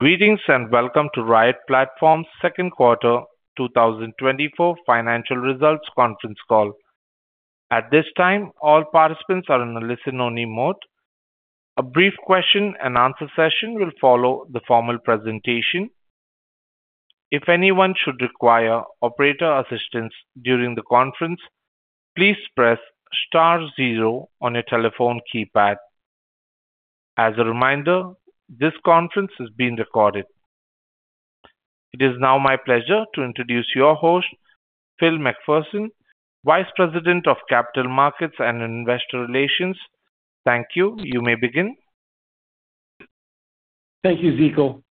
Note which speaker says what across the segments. Speaker 1: Greetings and welcome to Riot Platforms' second quarter 2024 financial results conference call. At this time, all participants are in a listen-only mode. A brief question-and-answer session will follow the formal presentation. If anyone should require operator assistance during the conference, please press zero on your telephone keypad. As a reminder, this conference is being recorded. It is now my pleasure to introduce your host, Phil McPherson, Vice President of Capital Markets and Investor Relations. Thank you. You may begin.
Speaker 2: Thank you, Zeko.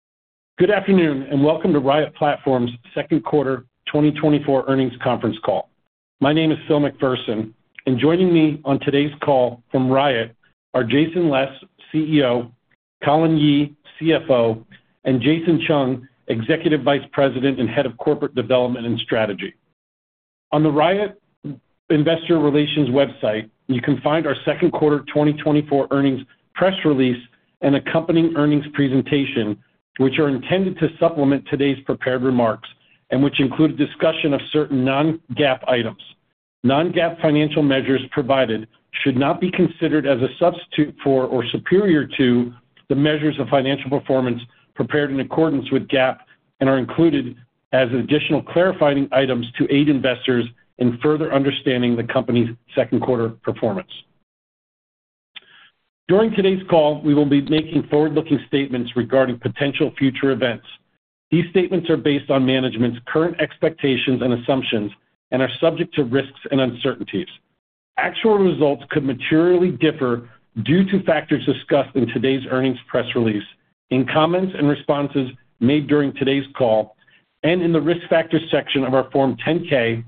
Speaker 2: Good afternoon and welcome to Riot Platforms' second quarter 2024 earnings conference call. My name is Phil McPherson, and joining me on today's call from Riot are Jason Les, CEO, Colin Yee, CFO, and Jason Chung, Executive Vice President and Head of Corporate Development and Strategy. On the Riot Investor Relations website, you can find our Second Quarter 2024 earnings press release and accompanying earnings presentation, which are intended to supplement today's prepared remarks and which include a discussion of certain non-GAAP items. Non-GAAP financial measures provided should not be considered as a substitute for or superior to the measures of financial performance prepared in accordance with GAAP and are included as additional clarifying items to aid investors in further understanding the company's second quarter performance. During today's call, we will be making forward-looking statements regarding potential future events. These statements are based on management's current expectations and assumptions and are subject to risks and uncertainties. Actual results could materially differ due to factors discussed in today's earnings press release, in comments and responses made during today's call, and in the risk factors section of our Form 10-K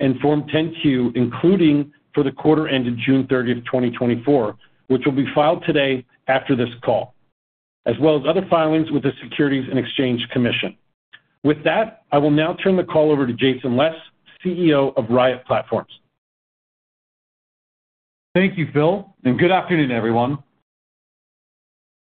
Speaker 2: and Form 10-Q, including for the quarter ended June 30, 2024, which will be filed today after this call, as well as other filings with the Securities and Exchange Commission. With that, I will now turn the call over to Jason Les, CEO of Riot Platforms.
Speaker 3: Thank you, Phil, and good afternoon, everyone.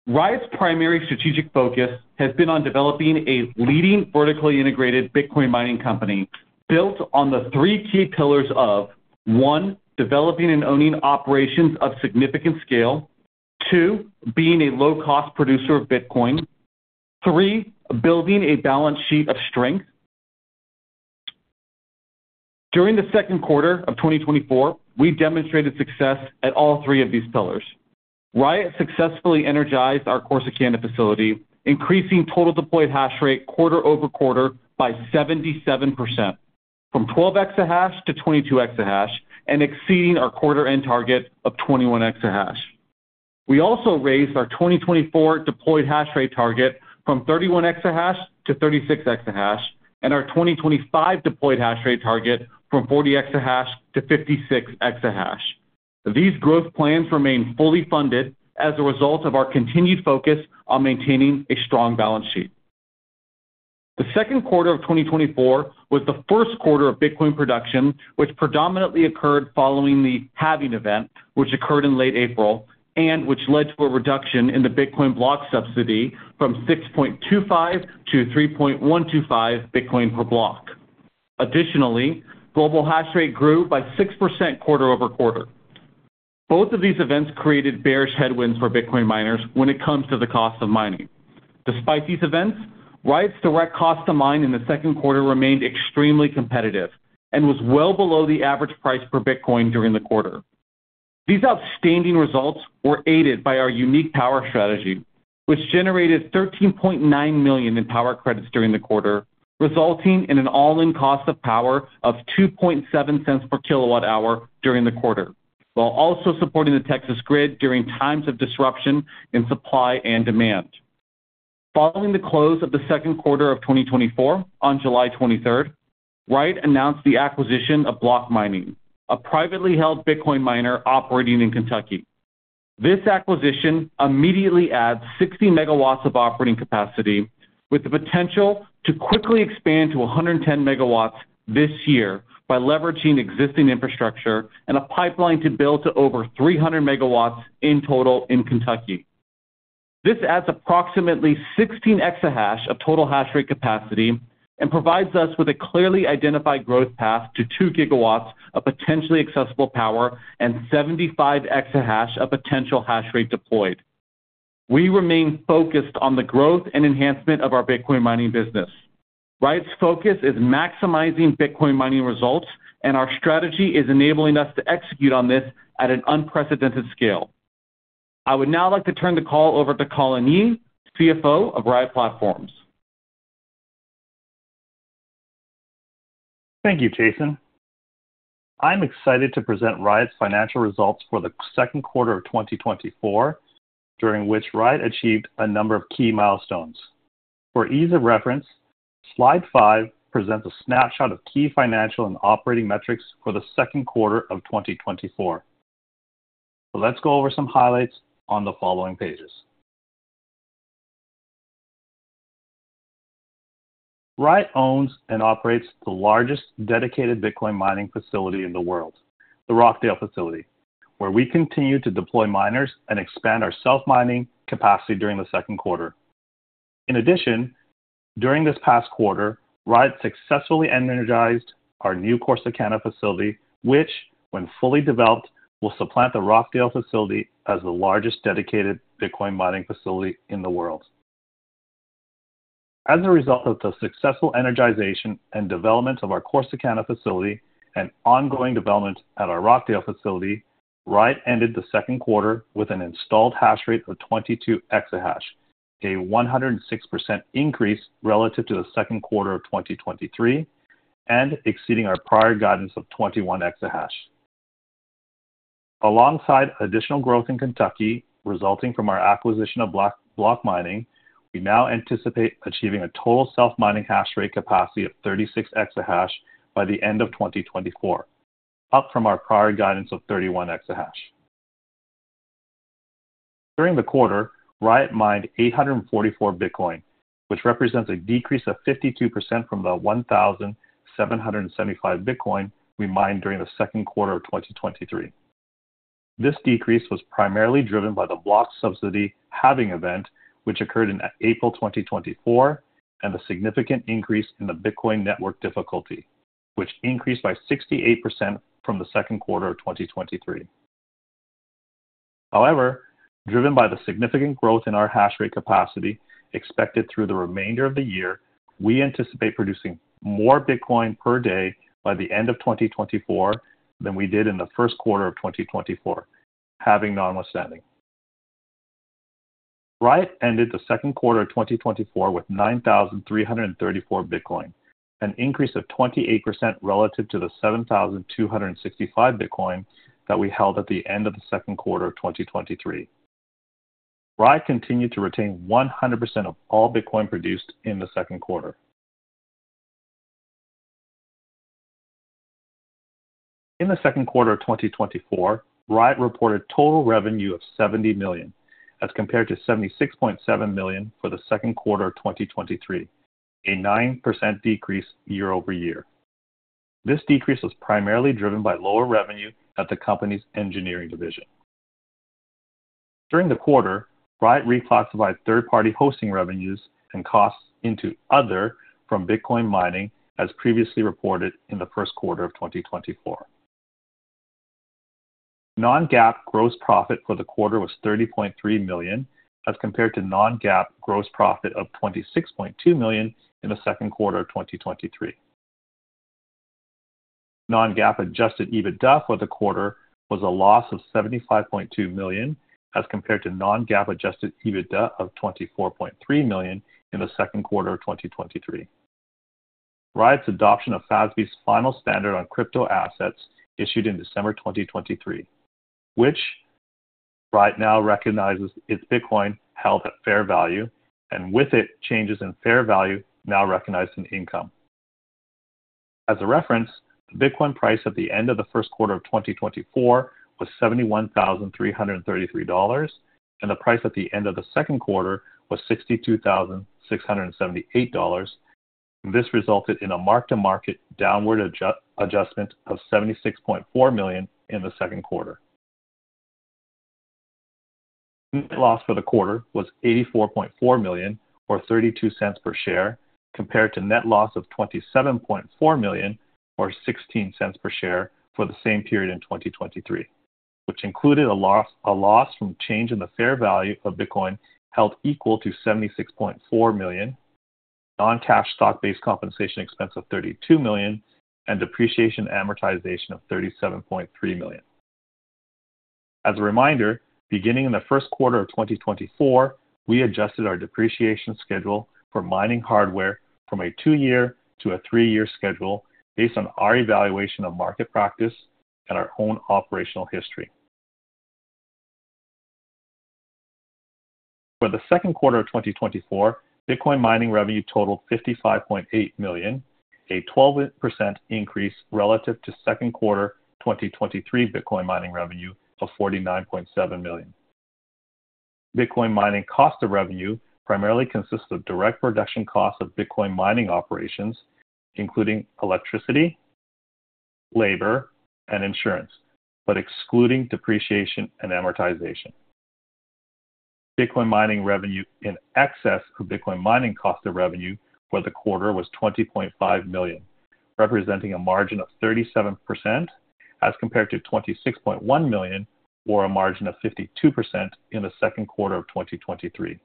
Speaker 3: Riot's primary strategic focus has been on developing a leading vertically integrated Bitcoin mining company built on the three key pillars of: 1, developing and owning operations of significant scale; 2, being a low-cost producer of Bitcoin; 3, building a balance sheet of strength. During the second quarter of 2024, we demonstrated success at all three of these pillars. Riot successfully energized our Corsicana facility, increasing total deployed hash rate quarter-over-quarter by 77%, from 12 EH/s to 22 EH/s, and exceeding our quarter-end target of 21 EH/s. We also raised our 2024 deployed hash rate target from 31 EH/s to 36 EH/s, and our 2025 deployed hash rate target from 40 EH/s to 56 EH/s. These growth plans remain fully funded as a result of our continued focus on maintaining a strong balance sheet. The second quarter of 2024 was the first quarter of Bitcoin production, which predominantly occurred following the halving event, which occurred in late April, and which led to a reduction in the Bitcoin block subsidy from 6.25 to 3.125 Bitcoin per block. Additionally, global hash rate grew by 6% quarter-over-quarter. Both of these events created bearish headwinds for Bitcoin miners when it comes to the cost of mining. Despite these events, Riot's direct cost to mine in the second quarter remained extremely competitive and was well below the average price per Bitcoin during the quarter. These outstanding results were aided by our unique power strategy, which generated $13.9 million in power credits during the quarter, resulting in an all-in cost of power of $0.027 per kWh during the quarter, while also supporting the Texas grid during times of disruption in supply and demand. Following the close of the second quarter of 2024, on July 23, Riot announced the acquisition of Block Mining, a privately held Bitcoin miner operating in Kentucky. This acquisition immediately adds 60 megawatts of operating capacity, with the potential to quickly expand to 110 megawatts this year by leveraging existing infrastructure and a pipeline to build to over 300 megawatts in total in Kentucky. This adds approximately 16 EH/s of total hash rate capacity and provides us with a clearly identified growth path to 2 GW of potentially accessible power and 75 EH/s of potential hash rate deployed. We remain focused on the growth and enhancement of our Bitcoin mining business. Riot's focus is maximizing Bitcoin mining results, and our strategy is enabling us to execute on this at an unprecedented scale. I would now like to turn the call over to Colin Yee, CFO of Riot Platforms.
Speaker 4: Thank you, Jason. I'm excited to present Riot's financial results for the second quarter of 2024, during which Riot achieved a number of key milestones. For ease of reference, slide 5 presents a snapshot of key financial and operating metrics for the second quarter of 2024. Let's go over some highlights on the following pages. Riot owns and operates the largest dedicated Bitcoin mining facility in the world, the Rockdale facility, where we continue to deploy miners and expand our self-mining capacity during the second quarter. In addition, during this past quarter, Riot successfully energized our new Corsicana facility, which, when fully developed, will supplant the Rockdale facility as the largest dedicated Bitcoin mining facility in the world. As a result of the successful energization and development of our Corsicana facility and ongoing development at our Rockdale facility, Riot ended the second quarter with an installed hash rate of 22 exahash, a 106% increase relative to the second quarter of 2023, and exceeding our prior guidance of 21 exahash. Alongside additional growth in Kentucky resulting from our acquisition of Block Mining, we now anticipate achieving a total self-mining hash rate capacity of 36 exahash by the end of 2024, up from our prior guidance of 31 exahash. During the quarter, Riot mined 844 Bitcoin, which represents a decrease of 52% from the 1,775 Bitcoin we mined during the second quarter of 2023. This decrease was primarily driven by the block subsidy halving event, which occurred in April 2024, and the significant increase in the Bitcoin network difficulty, which increased by 68% from the second quarter of 2023. However, driven by the significant growth in our hash rate capacity expected through the remainder of the year, we anticipate producing more Bitcoin per day by the end of 2024 than we did in the first quarter of 2024, notwithstanding. Riot ended the second quarter of 2024 with 9,334 Bitcoin, an increase of 28% relative to the 7,265 Bitcoin that we held at the end of the second quarter of 2023. Riot continued to retain 100% of all Bitcoin produced in the second quarter. In the second quarter of 2024, Riot reported total revenue of $70 million, as compared to $76.7 million for the second quarter of 2023, a 9% decrease year-over-year. This decrease was primarily driven by lower revenue at the company's engineering division. During the quarter, Riot reclassified third-party hosting revenues and costs into Other from Bitcoin mining, as previously reported in the first quarter of 2024. Non-GAAP gross profit for the quarter was $30.3 million, as compared to non-GAAP gross profit of $26.2 million in the second quarter of 2023. Non-GAAP adjusted EBITDA for the quarter was a loss of $75.2 million, as compared to non-GAAP adjusted EBITDA of $24.3 million in the second quarter of 2023. Riot's adoption of FASB's final standard on crypto assets issued in December 2023, which Riot now recognizes its Bitcoin held at fair value, and with it, changes in fair value now recognized in income. As a reference, the Bitcoin price at the end of the first quarter of 2024 was $71,333, and the price at the end of the second quarter was $62,678. This resulted in a mark-to-market downward adjustment of $76.4 million in the second quarter. Net loss for the quarter was $84.4 million, or $0.32 per share, compared to net loss of $27.4 million, or $0.16 per share for the same period in 2023, which included a loss from change in the fair value of Bitcoin held equal to $76.4 million, non-cash stock-based compensation expense of $32 million, and depreciation amortization of $37.3 million. As a reminder, beginning in the first quarter of 2024, we adjusted our depreciation schedule for mining hardware from a two-year to a three-year schedule based on our evaluation of market practice and our own operational history. For the second quarter of 2024, Bitcoin mining revenue totaled $55.8 million, a 12% increase relative to second quarter 2023 Bitcoin mining revenue of $49.7 million. Bitcoin mining cost of revenue primarily consists of direct production costs of Bitcoin mining operations, including electricity, labor, and insurance, but excluding depreciation and amortization. Bitcoin mining revenue in excess of Bitcoin mining cost of revenue for the quarter was $20.5 million, representing a margin of 37% as compared to $26.1 million, or a margin of 52% in the second quarter of 2023.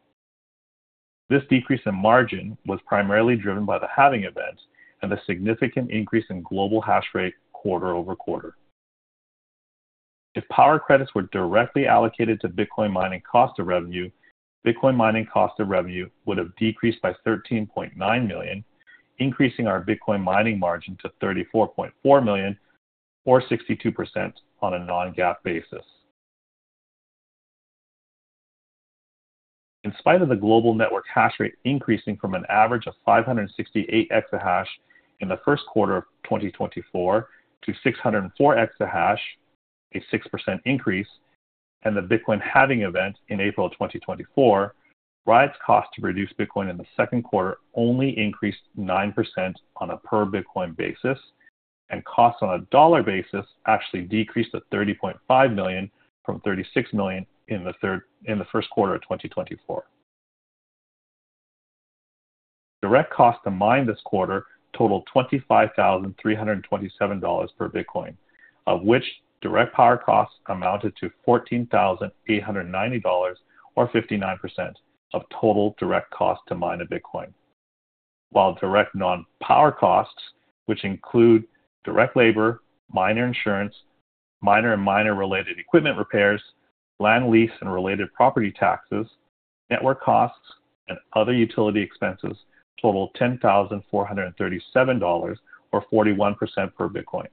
Speaker 4: This decrease in margin was primarily driven by the halving event and the significant increase in global hash rate quarter-over-quarter. If power credits were directly allocated to Bitcoin mining cost of revenue, Bitcoin mining cost of revenue would have decreased by $13.9 million, increasing our Bitcoin mining margin to $34.4 million, or 62% on a Non-GAAP basis. In spite of the global network hash rate increasing from an average of 568 exahash in the first quarter of 2024 to 604 exahash, a 6% increase, and the Bitcoin halving event in April 2024, Riot's cost to produce Bitcoin in the second quarter only increased 9% on a per Bitcoin basis, and costs on a dollar basis actually decreased to $30.5 million from $36 million in the first quarter of 2024. Direct cost to mine this quarter totaled $25,327 per Bitcoin, of which direct power costs amounted to $14,890, or 59% of total direct cost to mine a Bitcoin, while direct non-power costs, which include direct labor, miner insurance, miner and miner-related equipment repairs, land lease and related property taxes, network costs, and other utility expenses, totaled $10,437, or 41% per Bitcoin.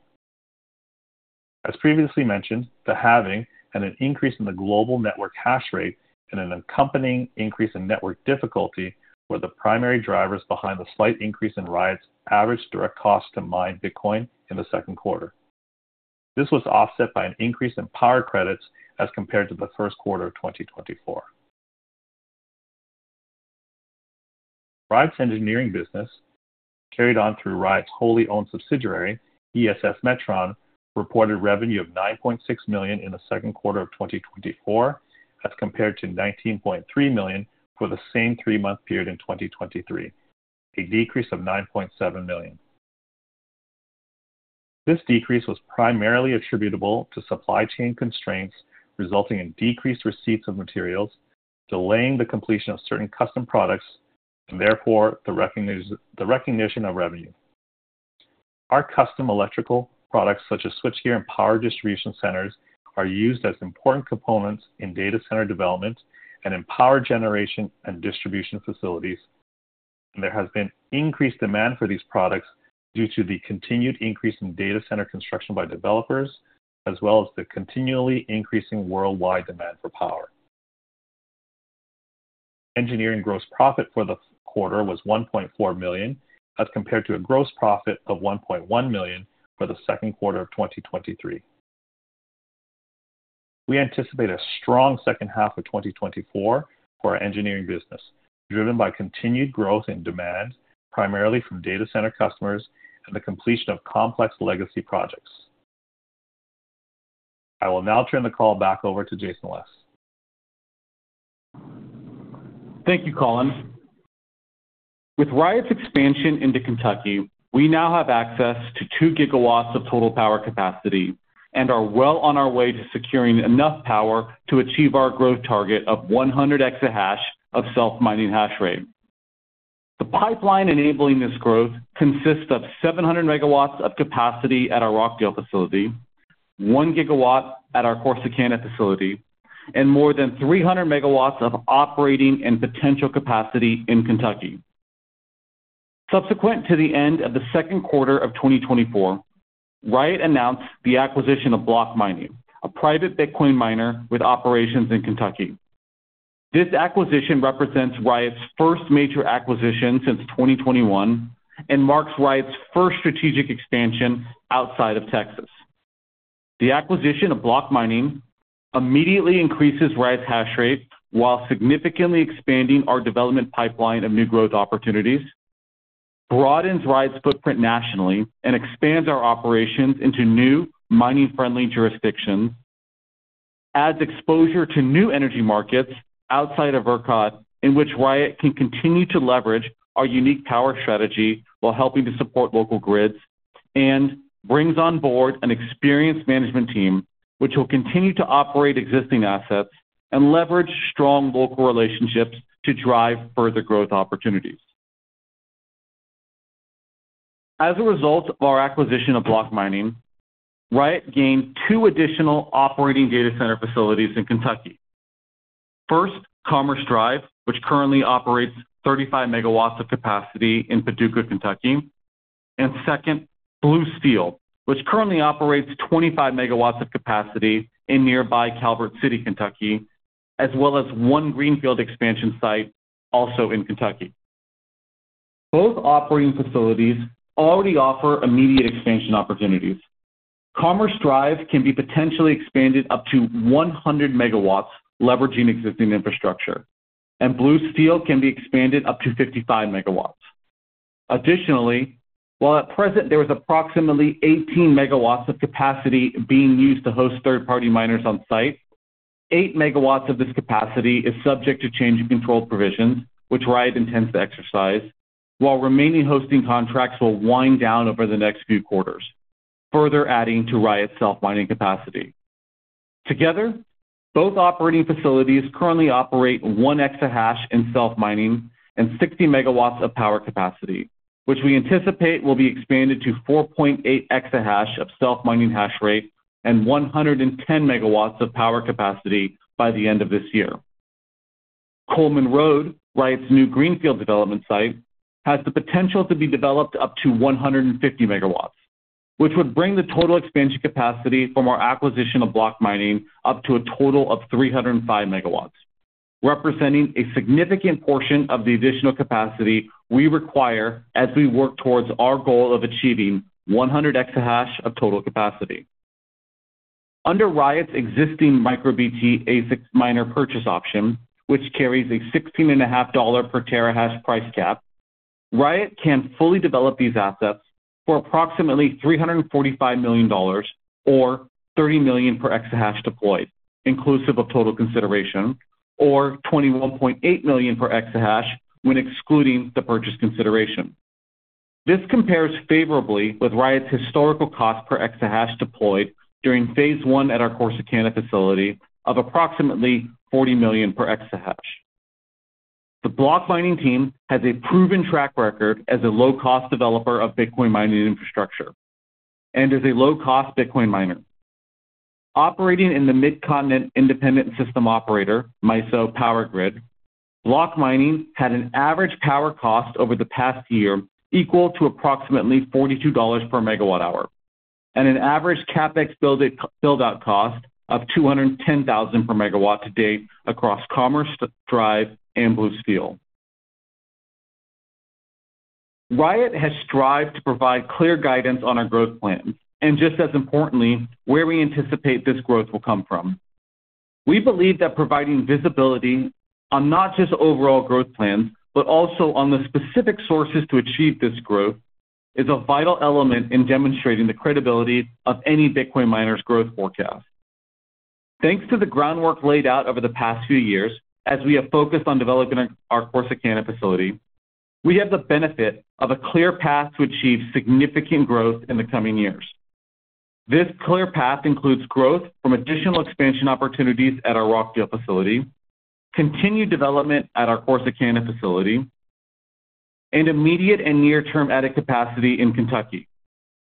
Speaker 4: As previously mentioned, the halving and an increase in the global network hash rate and an accompanying increase in network difficulty were the primary drivers behind the slight increase in Riot's average direct cost to mine Bitcoin in the second quarter. This was offset by an increase in power credits as compared to the first quarter of 2024. Riot's engineering business, carried on through Riot's wholly owned subsidiary, ESS Metron, reported revenue of $9.6 million in the second quarter of 2024, as compared to $19.3 million for the same three-month period in 2023, a decrease of $9.7 million. This decrease was primarily attributable to supply chain constraints resulting in decreased receipts of materials, delaying the completion of certain custom products, and therefore the recognition of revenue. Our custom electrical products, such as switchgear and power distribution centers, are used as important components in data center development and in power generation and distribution facilities, and there has been increased demand for these products due to the continued increase in data center construction by developers, as well as the continually increasing worldwide demand for power. Engineering gross profit for the quarter was $1.4 million, as compared to a gross profit of $1.1 million for the second quarter of 2023. We anticipate a strong second half of 2024 for our engineering business, driven by continued growth in demand, primarily from data center customers, and the completion of complex legacy projects. I will now turn the call back over to Jason Les.
Speaker 3: Thank you, Colin. With Riot's expansion into Kentucky, we now have access to 2 GW of total power capacity and are well on our way to securing enough power to achieve our growth target of 100 EH/s of self-mining hash rate. The pipeline enabling this growth consists of 700 megawatts of capacity at our Rockdale facility, 1 GW at our Corsicana facility, and more than 300 megawatts of operating and potential capacity in Kentucky. Subsequent to the end of the second quarter of 2024, Riot announced the acquisition of Block Mining, a private Bitcoin miner with operations in Kentucky. This acquisition represents Riot's first major acquisition since 2021 and marks Riot's first strategic expansion outside of Texas. The acquisition of Block Mining immediately increases Riot's hash rate, while significantly expanding our development pipeline of new growth opportunities, broadens Riot's footprint nationally, and expands our operations into new mining-friendly jurisdictions, adds exposure to new energy markets outside of ERCOT, in which Riot can continue to leverage our unique power strategy while helping to support local grids, and brings on board an experienced management team, which will continue to operate existing assets and leverage strong local relationships to drive further growth opportunities. As a result of our acquisition of Block Mining, Riot gained two additional operating data center facilities in Kentucky. First, Commerce Drive, which currently operates 35 MW of capacity in Paducah, Kentucky, and second, Blue Steel, which currently operates 25 MW of capacity in nearby Calvert City, Kentucky, as well as one greenfield expansion site also in Kentucky. Both operating facilities already offer immediate expansion opportunities. Commerce Drive can be potentially expanded up to 100 MW leveraging existing infrastructure, and Blue Steel can be expanded up to 55 MW. Additionally, while at present there was approximately 18 MW of capacity being used to host third-party miners on site, 8 MW of this capacity is subject to change in controlled provisions, which Riot intends to exercise, while remaining hosting contracts will wind down over the next few quarters, further adding to Riot's self-mining capacity. Together, both operating facilities currently operate 1 EH/s in self-mining and 60 MW of power capacity, which we anticipate will be expanded to 4.8 EH/s of self-mining hash rate and 110 MW of power capacity by the end of this year. Coleman Road, Riot's new greenfield development site, has the potential to be developed up to 150 MW, which would bring the total expansion capacity from our acquisition of Block Mining up to a total of 305 MW, representing a significant portion of the additional capacity we require as we work towards our goal of achieving 100 EH/s of total capacity. Under Riot's existing MicroBT ASIC miner purchase option, which carries a $16.5 per TH price cap, Riot can fully develop these assets for approximately $345 million, or $30 million per EH/s deployed, inclusive of total consideration, or $21.8 million per EH/s when excluding the purchase consideration. This compares favorably with Riot's historical cost per EH/s deployed during phase one at our Corsicana facility of approximately $40 million per EH/s. The Block Mining team has a proven track record as a low-cost developer of Bitcoin mining infrastructure and is a low-cost Bitcoin miner. Operating in the Midcontinent Independent System Operator, MISO Power Grid, Block Mining had an average power cost over the past year equal to approximately $42 per MWh and an average CapEx buildout cost of $210,000 per MW to date across Commerce Drive and Blue Steel. Riot has strived to provide clear guidance on our growth plans and, just as importantly, where we anticipate this growth will come from. We believe that providing visibility on not just overall growth plans, but also on the specific sources to achieve this growth, is a vital element in demonstrating the credibility of any Bitcoin miner's growth forecast. Thanks to the groundwork laid out over the past few years, as we have focused on developing our Corsicana facility, we have the benefit of a clear path to achieve significant growth in the coming years. This clear path includes growth from additional expansion opportunities at our Rockdale facility, continued development at our Corsicana facility, and immediate and near-term added capacity in Kentucky,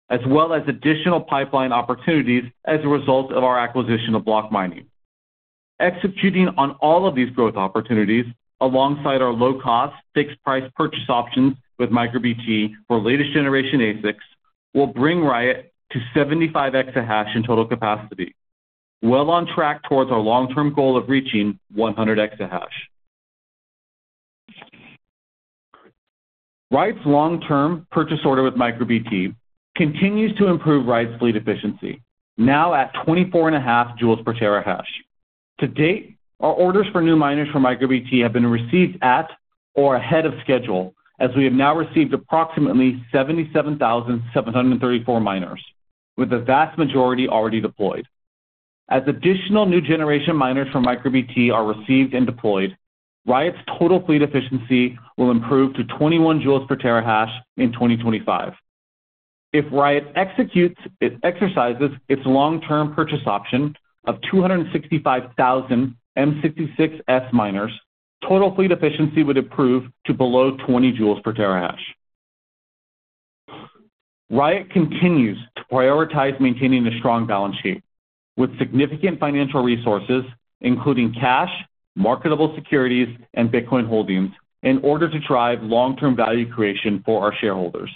Speaker 3: as well as additional pipeline opportunities as a result of our acquisition of Block Mining. Executing on all of these growth opportunities, alongside our low-cost fixed-price purchase options with MicroBT for latest generation ASICs, will bring Riot to 75 exahash in total capacity, well on track towards our long-term goal of reaching 100 exahash. Riot's long-term purchase order with MicroBT continues to improve Riot's fleet efficiency, now at 24.5 joules per terahash. To date, our orders for new miners for MicroBT have been received at or ahead of schedule, as we have now received approximately 77,734 miners, with the vast majority already deployed. As additional new generation miners for MicroBT are received and deployed, Riot's total fleet efficiency will improve to 21 joules per terahash in 2025. If Riot exercises its long-term purchase option of 265,000 M66S miners, total fleet efficiency would improve to below 20 joules per terahash. Riot continues to prioritize maintaining a strong balance sheet, with significant financial resources, including cash, marketable securities, and Bitcoin holdings, in order to drive long-term value creation for our shareholders.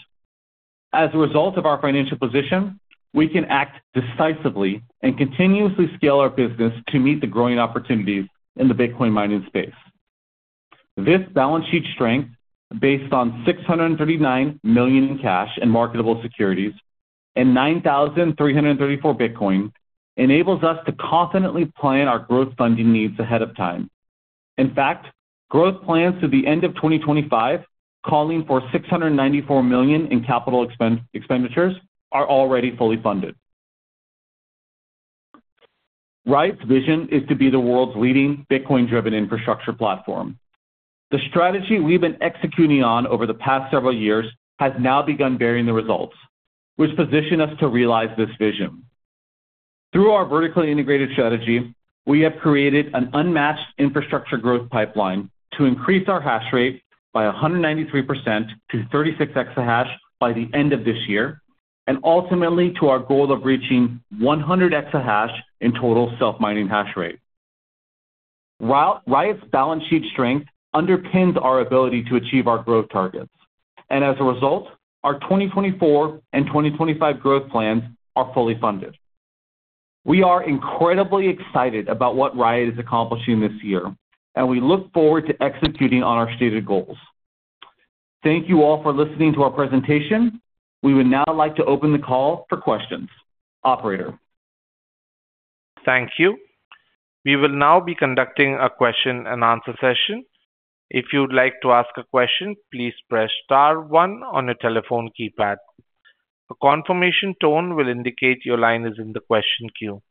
Speaker 3: As a result of our financial position, we can act decisively and continuously scale our business to meet the growing opportunities in the Bitcoin mining space. This balance sheet strength, based on $639 million in cash and marketable securities and 9,334 Bitcoin, enables us to confidently plan our growth funding needs ahead of time. In fact, growth plans to the end of 2025, calling for $694 million in capital expenditures, are already fully funded. Riot's vision is to be the world's leading Bitcoin-driven infrastructure platform. The strategy we've been executing on over the past several years has now begun bearing the results, which position us to realize this vision. Through our vertically integrated strategy, we have created an unmatched infrastructure growth pipeline to increase our hash rate by 193% to 36 EH/s by the end of this year, and ultimately to our goal of reaching 100 EH/s in total self-mining hash rate. Riot's balance sheet strength underpins our ability to achieve our growth targets, and as a result, our 2024 and 2025 growth plans are fully funded. We are incredibly excited about what Riot is accomplishing this year, and we look forward to executing on our stated goals. Thank you all for listening to our presentation. We would now like to open the call for questions. Operator.
Speaker 1: Thank you. We will now be conducting a question and answer session. If you would like to ask a question, please press star one on your telephone keypad. A confirmation tone will indicate your line is in the question queue.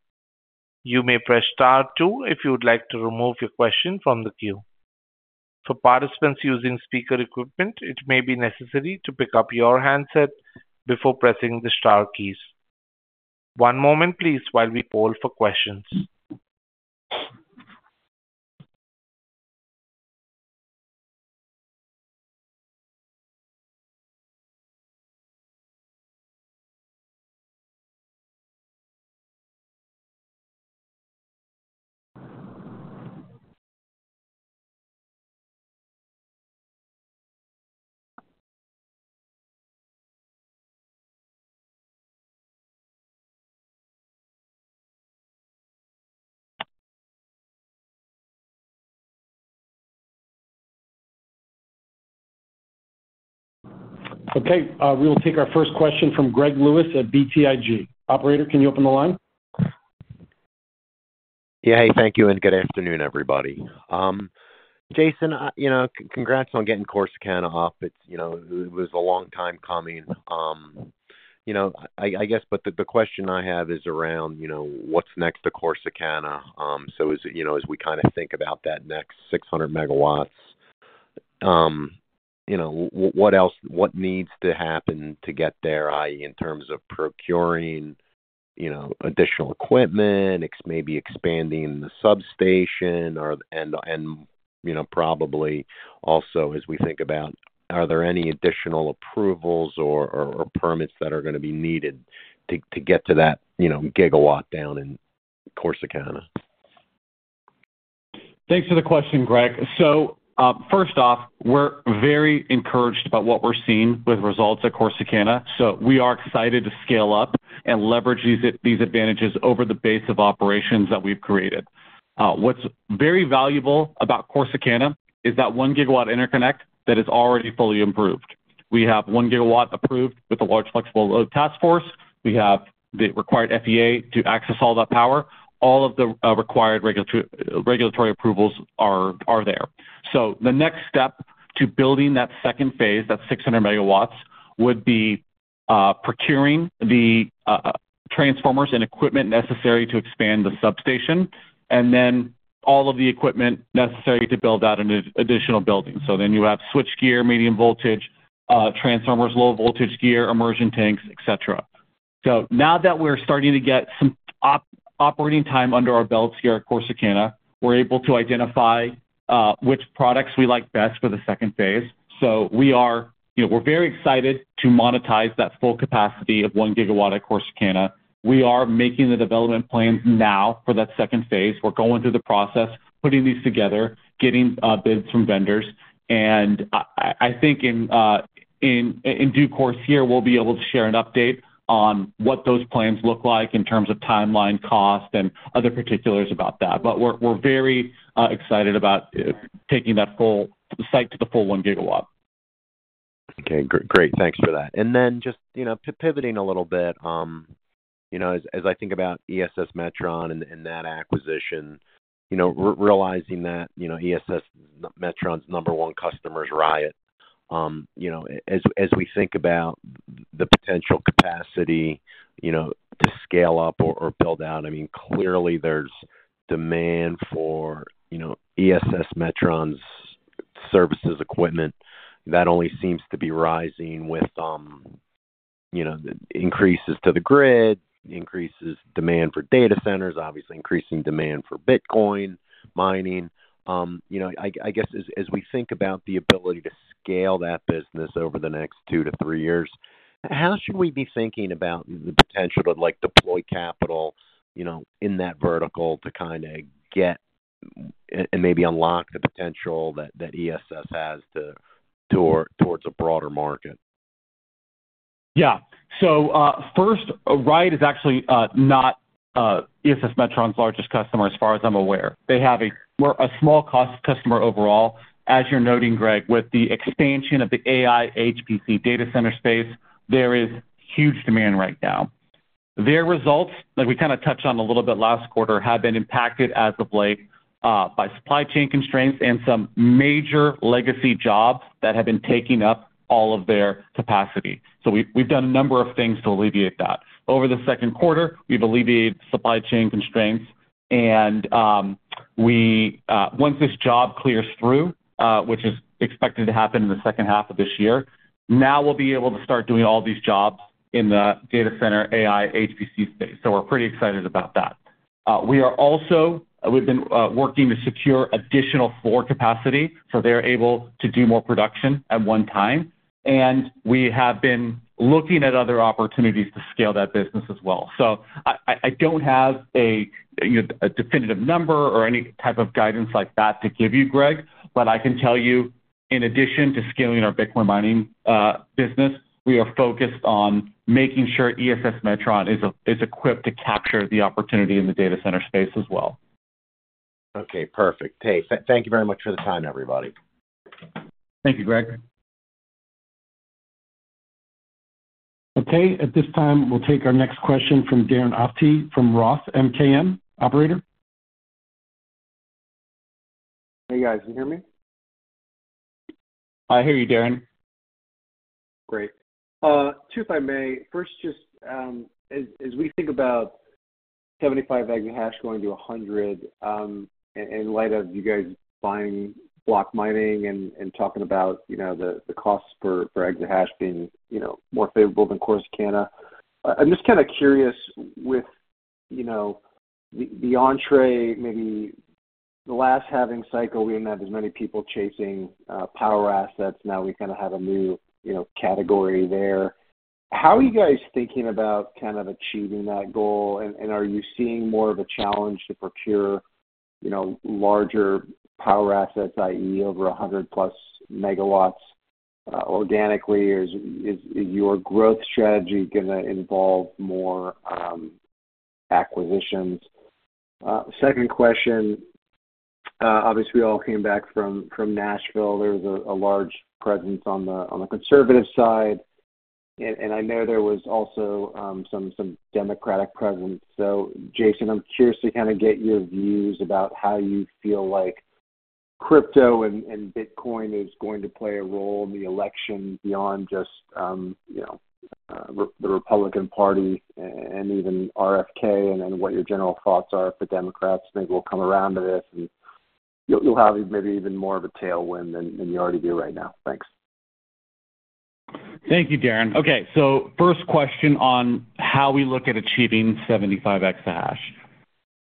Speaker 1: You may press star two if you would like to remove your question from the queue. For participants using speaker equipment, it may be necessary to pick up your handset before pressing the star keys. One moment, please, while we poll for questions.
Speaker 2: Okay. We will take our first question from Greg Lewis at BTIG. Operator, can you open the line?
Speaker 5: Yeah. Hey, thank you, and good afternoon, everybody. Jason, congrats on getting Corsicana off. It was a long time coming. I guess, but the question I have is around what's next to Corsicana. So as we kind of think about that next 600 MW, what needs to happen to get there, i.e., in terms of procuring additional equipment, maybe expanding the substation, and probably also as we think about, are there any additional approvals or permits that are going to be needed to get to that 1 GW down in Corsicana?
Speaker 3: Thanks for the question, Greg. So first off, we're very encouraged by what we're seeing with results at Corsicana. So we are excited to scale up and leverage these advantages over the base of operations that we've created. What's very valuable about Corsicana is that 1 GW interconnect that is already fully improved. We have 1 GW approved with the Large Flexible Load Task Force. We have the required FEA to access all that power. All of the required regulatory approvals are there. So the next step to building that second phase, that 600 MW, would be procuring the transformers and equipment necessary to expand the substation, and then all of the equipment necessary to build out an additional building. So then you have switchgear, medium voltage, transformers, low voltage gear, immersion tanks, etc. So now that we're starting to get some operating time under our belts here at Corsicana, we're able to identify which products we like best for the second phase. So we're very excited to monetize that full capacity of 1 GW at Corsicana. We are making the development plans now for that second phase. We're going through the process, putting these together, getting bids from vendors. And I think in due course here, we'll be able to share an update on what those plans look like in terms of timeline, cost, and other particulars about that. But we're very excited about taking that full site to the full 1 GW.
Speaker 5: Okay. Great. Thanks for that. And then just pivoting a little bit, as I think about ESS Metron and that acquisition, realizing that ESS Metron's number one customer is Riot. As we think about the potential capacity to scale up or build out, I mean, clearly there's demand for ESS Metron's services, equipment. That only seems to be rising with increases to the grid, increases in demand for data centers, obviously increasing demand for Bitcoin mining. I guess as we think about the ability to scale that business over the next 2-3 years, how should we be thinking about the potential to deploy capital in that vertical to kind of get and maybe unlock the potential that ESS has towards a broader market?
Speaker 3: Yeah. So first, Riot is actually not ESS Metron's largest customer, as far as I'm aware. They have a small customer overall. As you're noting, Greg, with the expansion of the AI HPC data center space, there is huge demand right now. Their results, like we kind of touched on a little bit last quarter, have been impacted as of late by supply chain constraints and some major legacy jobs that have been taking up all of their capacity. So we've done a number of things to alleviate that. Over the second quarter, we've alleviated supply chain constraints, and once this job clears through, which is expected to happen in the second half of this year, now we'll be able to start doing all these jobs in the data center AI HPC space. So we're pretty excited about that. We are also working to secure additional floor capacity so they're able to do more production at one time, and we have been looking at other opportunities to scale that business as well. So I don't have a definitive number or any type of guidance like that to give you, Greg, but I can tell you, in addition to scaling our Bitcoin mining business, we are focused on making sure ESS Metron is equipped to capture the opportunity in the data center space as well.
Speaker 5: Okay. Perfect. Hey, thank you very much for the time, everybody.
Speaker 3: Thank you, Greg.
Speaker 2: Okay. At this time, we'll take our next question from Darren Aftahi from Roth MKM, Operator.
Speaker 6: Hey, guys. Can you hear me?
Speaker 3: I hear you, Darren.
Speaker 6: Great. Two if I may. First, just as we think about 75 megawatts going to 100, in light of you guys buying Block Mining and talking about the cost for exahash being more favorable than Corsicana, I'm just kind of curious with the entree, maybe the last halving cycle, we didn't have as many people chasing power assets. Now we kind of have a new category there. How are you guys thinking about kind of achieving that goal, and are you seeing more of a challenge to procure larger power assets, i.e., over 100+ megawatts organically? Is your growth strategy going to involve more acquisitions? Second question, obviously, we all came back from Nashville. There was a large presence on the conservative side, and I know there was also some Democratic presence. So Jason, I'm curious to kind of get your views about how you feel like crypto and Bitcoin is going to play a role in the election beyond just the Republican Party and even RFK and what your general thoughts are for Democrats. Maybe we'll come around to this, and you'll have maybe even more of a tailwind than you already do right now. Thanks.
Speaker 3: Thank you, Darren. Okay. So first question on how we look at achieving 75 exahash.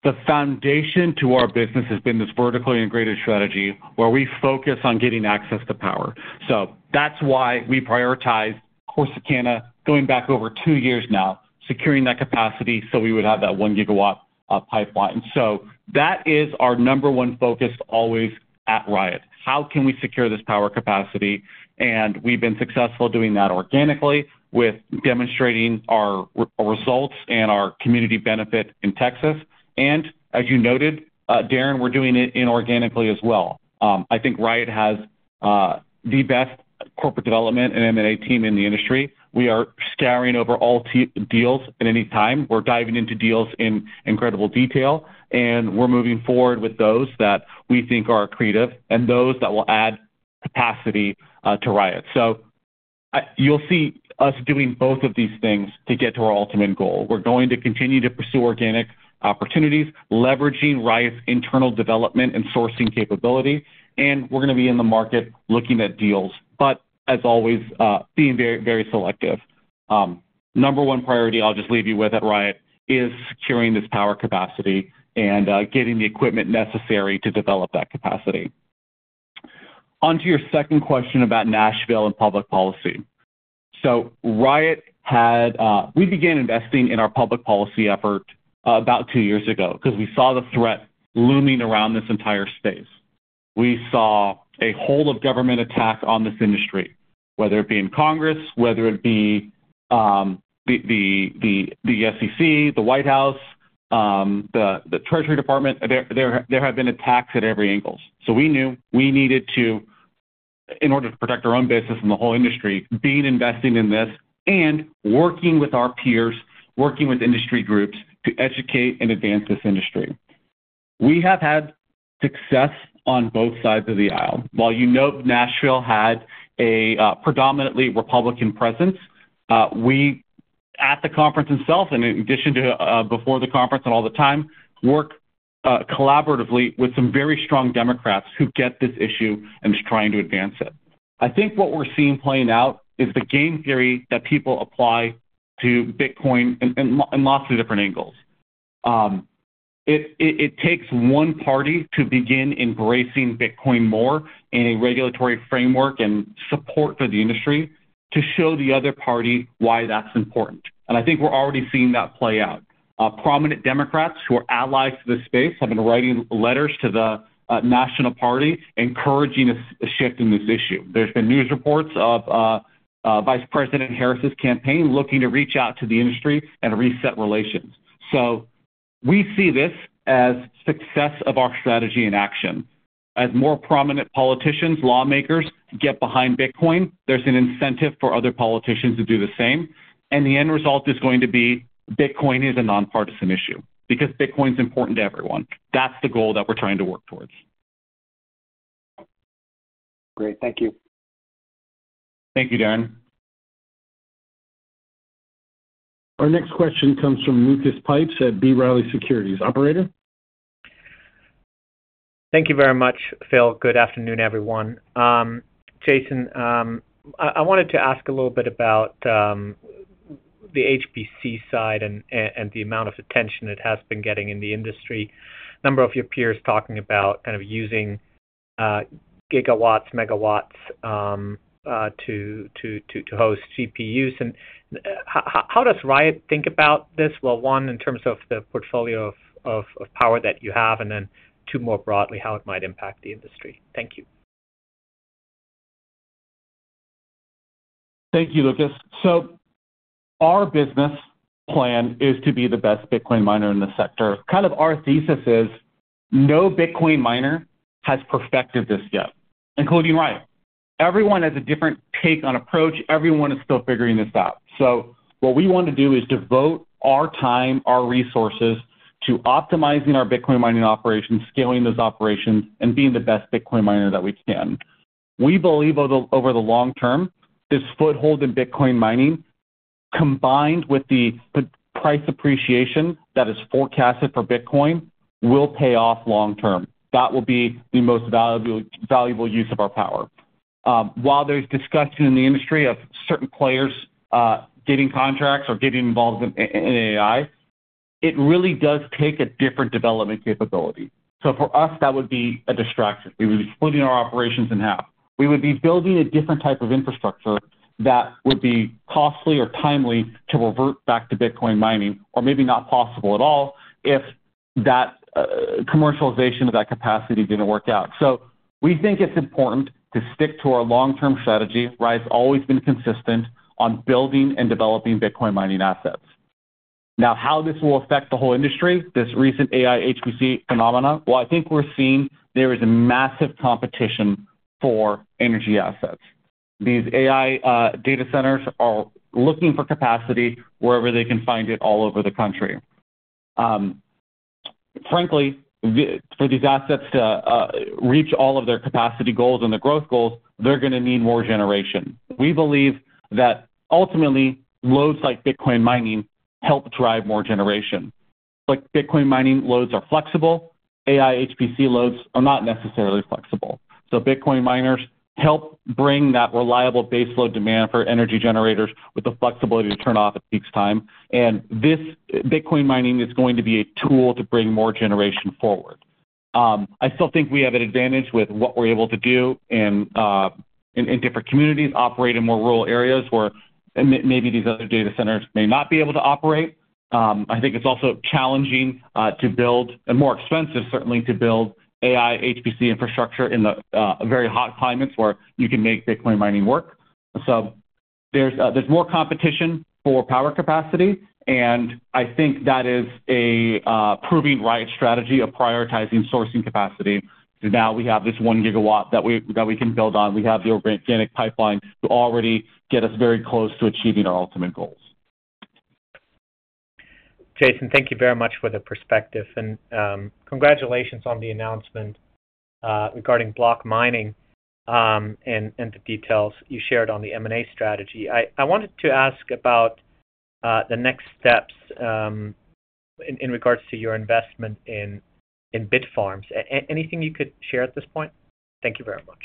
Speaker 3: The foundation to our business has been this vertically integrated strategy where we focus on getting access to power. So that's why we prioritized Corsicana going back over 2 years now, securing that capacity so we would have that 1 GW pipeline. So that is our number 1 focus always at Riot. How can we secure this power capacity? And we've been successful doing that organically with demonstrating our results and our community benefit in Texas. And as you noted, Darren, we're doing it inorganically as well. I think Riot has the best corporate development and M&A team in the industry. We are scouring over all deals at any time. We're diving into deals in incredible detail, and we're moving forward with those that we think are creative and those that will add capacity to Riot. So you'll see us doing both of these things to get to our ultimate goal. We're going to continue to pursue organic opportunities, leveraging Riot's internal development and sourcing capability, and we're going to be in the market looking at deals, but as always, being very, very selective. Number one priority I'll just leave you with at Riot is securing this power capacity and getting the equipment necessary to develop that capacity. Onto your second question about Nashville and public policy. So, Riot, we began investing in our public policy effort about two years ago because we saw the threat looming around this entire space. We saw a whole-of-government attack on this industry, whether it be in Congress, whether it be the SEC, the White House, the Treasury Department. There had been attacks at every angle. So we knew we needed to, in order to protect our own business and the whole industry, be investing in this and working with our peers, working with industry groups to educate and advance this industry. We have had success on both sides of the aisle. While you know Nashville had a predominantly Republican presence, we at the conference itself, and in addition to before the conference and all the time, work collaboratively with some very strong Democrats who get this issue and are trying to advance it. I think what we're seeing playing out is the game theory that people apply to Bitcoin in lots of different angles. It takes one party to begin embracing Bitcoin more in a regulatory framework and support for the industry to show the other party why that's important. I think we're already seeing that play out. Prominent Democrats who are allies to this space have been writing letters to the National Party encouraging a shift in this issue. There's been news reports of Vice President Harris's campaign looking to reach out to the industry and reset relations. We see this as success of our strategy in action. As more prominent politicians, lawmakers get behind Bitcoin, there's an incentive for other politicians to do the same. The end result is going to be Bitcoin is a nonpartisan issue because Bitcoin's important to everyone. That's the goal that we're trying to work towards.
Speaker 6: Great. Thank you.
Speaker 3: Thank you, Darren.
Speaker 2: Our next question comes from Lucas Pipes at B. Riley Securities. Operator.
Speaker 7: Thank you very much, Phil. Good afternoon, everyone. Jason, I wanted to ask a little bit about the HPC side and the amount of attention it has been getting in the industry. A number of your peers talking about kind of using gigawatts, megawatts to host GPUs. And how does Riot think about this? Well, one, in terms of the portfolio of power that you have, and then two more broadly, how it might impact the industry. Thank you.
Speaker 3: Thank you, Lucas. So our business plan is to be the best Bitcoin miner in the sector. Kind of our thesis is no Bitcoin miner has perfected this yet, including Riot. Everyone has a different take on approach. Everyone is still figuring this out. So what we want to do is devote our time, our resources to optimizing our Bitcoin mining operations, scaling those operations, and being the best Bitcoin miner that we can. We believe over the long term, this foothold in Bitcoin mining combined with the price appreciation that is forecasted for Bitcoin will pay off long term. That will be the most valuable use of our power. While there's discussion in the industry of certain players getting contracts or getting involved in AI, it really does take a different development capability. So for us, that would be a distraction. We would be splitting our operations in half. We would be building a different type of infrastructure that would be costly or timely to revert back to Bitcoin mining, or maybe not possible at all if that commercialization of that capacity didn't work out. So we think it's important to stick to our long-term strategy. Riot's always been consistent on building and developing Bitcoin mining assets. Now, how this will affect the whole industry, this recent AI HPC phenomenon, well, I think we're seeing there is a massive competition for energy assets. These AI data centers are looking for capacity wherever they can find it all over the country. Frankly, for these assets to reach all of their capacity goals and their growth goals, they're going to need more generation. We believe that ultimately, loads like Bitcoin mining help drive more generation. But Bitcoin mining loads are flexible. AI HPC loads are not necessarily flexible. So Bitcoin miners help bring that reliable baseload demand for energy generators with the flexibility to turn off at peak time. And this Bitcoin mining is going to be a tool to bring more generation forward. I still think we have an advantage with what we're able to do in different communities, operate in more rural areas where maybe these other data centers may not be able to operate. I think it's also challenging to build and more expensive, certainly, to build AI HPC infrastructure in very hot climates where you can make Bitcoin mining work. So there's more competition for power capacity, and I think that is a proving Riot strategy of prioritizing sourcing capacity. So now we have this 1 GW that we can build on. We have the organic pipeline to already get us very close to achieving our ultimate goals.
Speaker 7: Jason, thank you very much for the perspective, and congratulations on the announcement regarding Block Mining and the details you shared on the M&A strategy. I wanted to ask about the next steps in regards to your investment in Bitfarms. Anything you could share at this point? Thank you very much.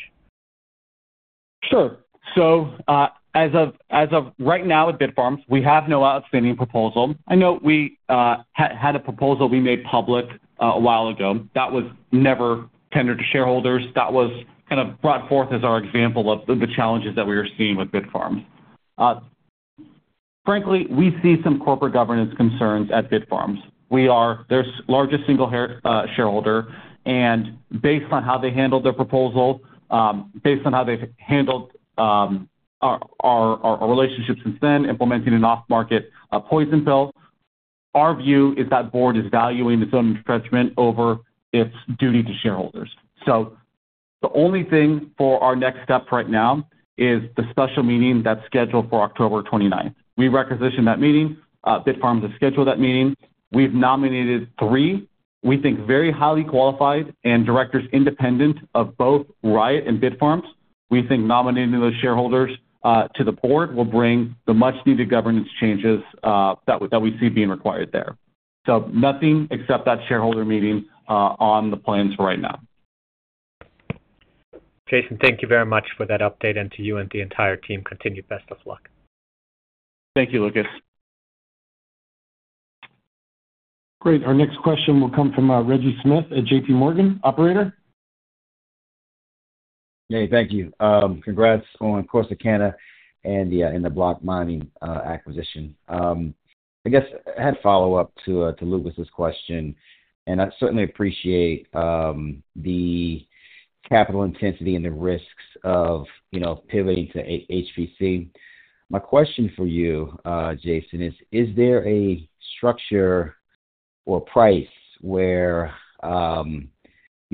Speaker 3: Sure. So as of right now at Bitfarms, we have no outstanding proposal. I know we had a proposal we made public a while ago that was never tendered to shareholders. That was kind of brought forth as our example of the challenges that we were seeing with Bitfarms. Frankly, we see some corporate governance concerns at Bitfarms. We are their largest single shareholder, and based on how they handled their proposal, based on how they've handled our relationship since then implementing an off-market poison pill, our view is that board is valuing its own entrenchment over its duty to shareholders. So the only thing for our next step right now is the special meeting that's scheduled for October 29th. We requisitioned that meeting. Bitfarms has scheduled that meeting. We've nominated three, we think, very highly qualified and directors independent of both Riot and Bitfarms. We think nominating those shareholders to the board will bring the much-needed governance changes that we see being required there. So nothing except that shareholder meeting on the plans for right now.
Speaker 7: Jason, thank you very much for that update, and to you and the entire team. Continue best of luck.
Speaker 3: Thank you, Lucas.
Speaker 2: Great. Our next question will come from Reggie Smith at JPMorgan. Operator?
Speaker 8: Hey, thank you. Congrats on Corsicana and the Block Mining acquisition. I guess I had a follow-up to Lucas's question, and I certainly appreciate the capital intensity and the risks of pivoting to HPC. My question for you, Jason, is there a structure or price where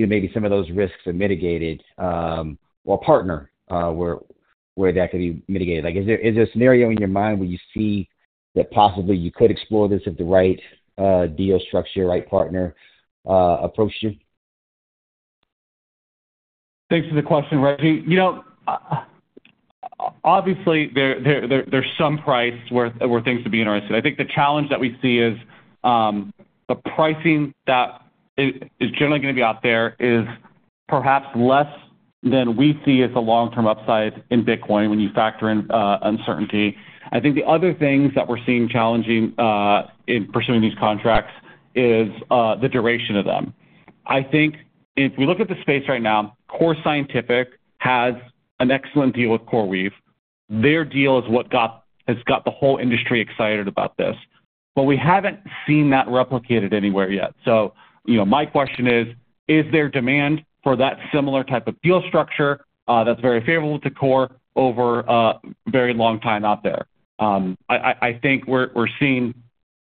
Speaker 8: maybe some of those risks are mitigated or a partner where that could be mitigated? Is there a scenario in your mind where you see that possibly you could explore this if the right deal structure, right partner approached you?
Speaker 3: Thanks for the question, Reggie. Obviously, there's some price where things could be interesting. I think the challenge that we see is the pricing that is generally going to be out there is perhaps less than we see as a long-term upside in Bitcoin when you factor in uncertainty. I think the other things that we're seeing challenging in pursuing these contracts is the duration of them. I think if we look at the space right now, Core Scientific has an excellent deal with CoreWeave. Their deal is what has got the whole industry excited about this. But we haven't seen that replicated anywhere yet. So my question is, is there demand for that similar type of deal structure that's very favorable to Core over a very long time out there? I think we're seeing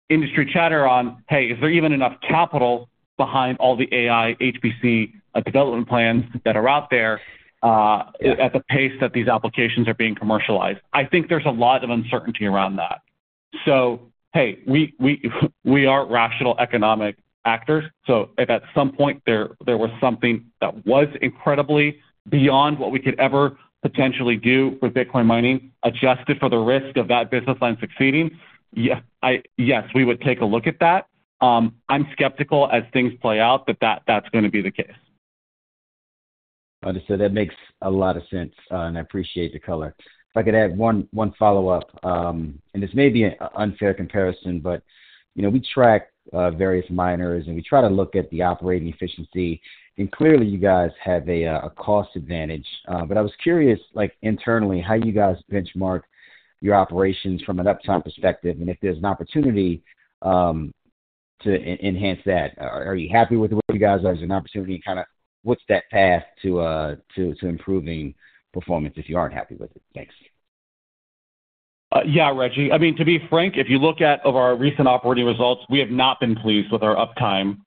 Speaker 3: industry chatter on, "Hey, is there even enough capital behind all the AI HPC development plans that are out there at the pace that these applications are being commercialized?" I think there's a lot of uncertainty around that. So, hey, we are rational economic actors. So if at some point there was something that was incredibly beyond what we could ever potentially do with Bitcoin mining adjusted for the risk of that business line succeeding, yes, we would take a look at that. I'm skeptical as things play out that that's going to be the case.
Speaker 8: Understood. That makes a lot of sense, and I appreciate the color. If I could add one follow-up, and this may be an unfair comparison, but we track various miners, and we try to look at the operating efficiency, and clearly you guys have a cost advantage. But I was curious internally how you guys benchmark your operations from an uptime perspective, and if there's an opportunity to enhance that. Are you happy with the way you guys are? Is there an opportunity to kind of what's that path to improving performance if you aren't happy with it? Thanks.
Speaker 3: Yeah, Reggie. I mean, to be frank, if you look at our recent operating results, we have not been pleased with our uptime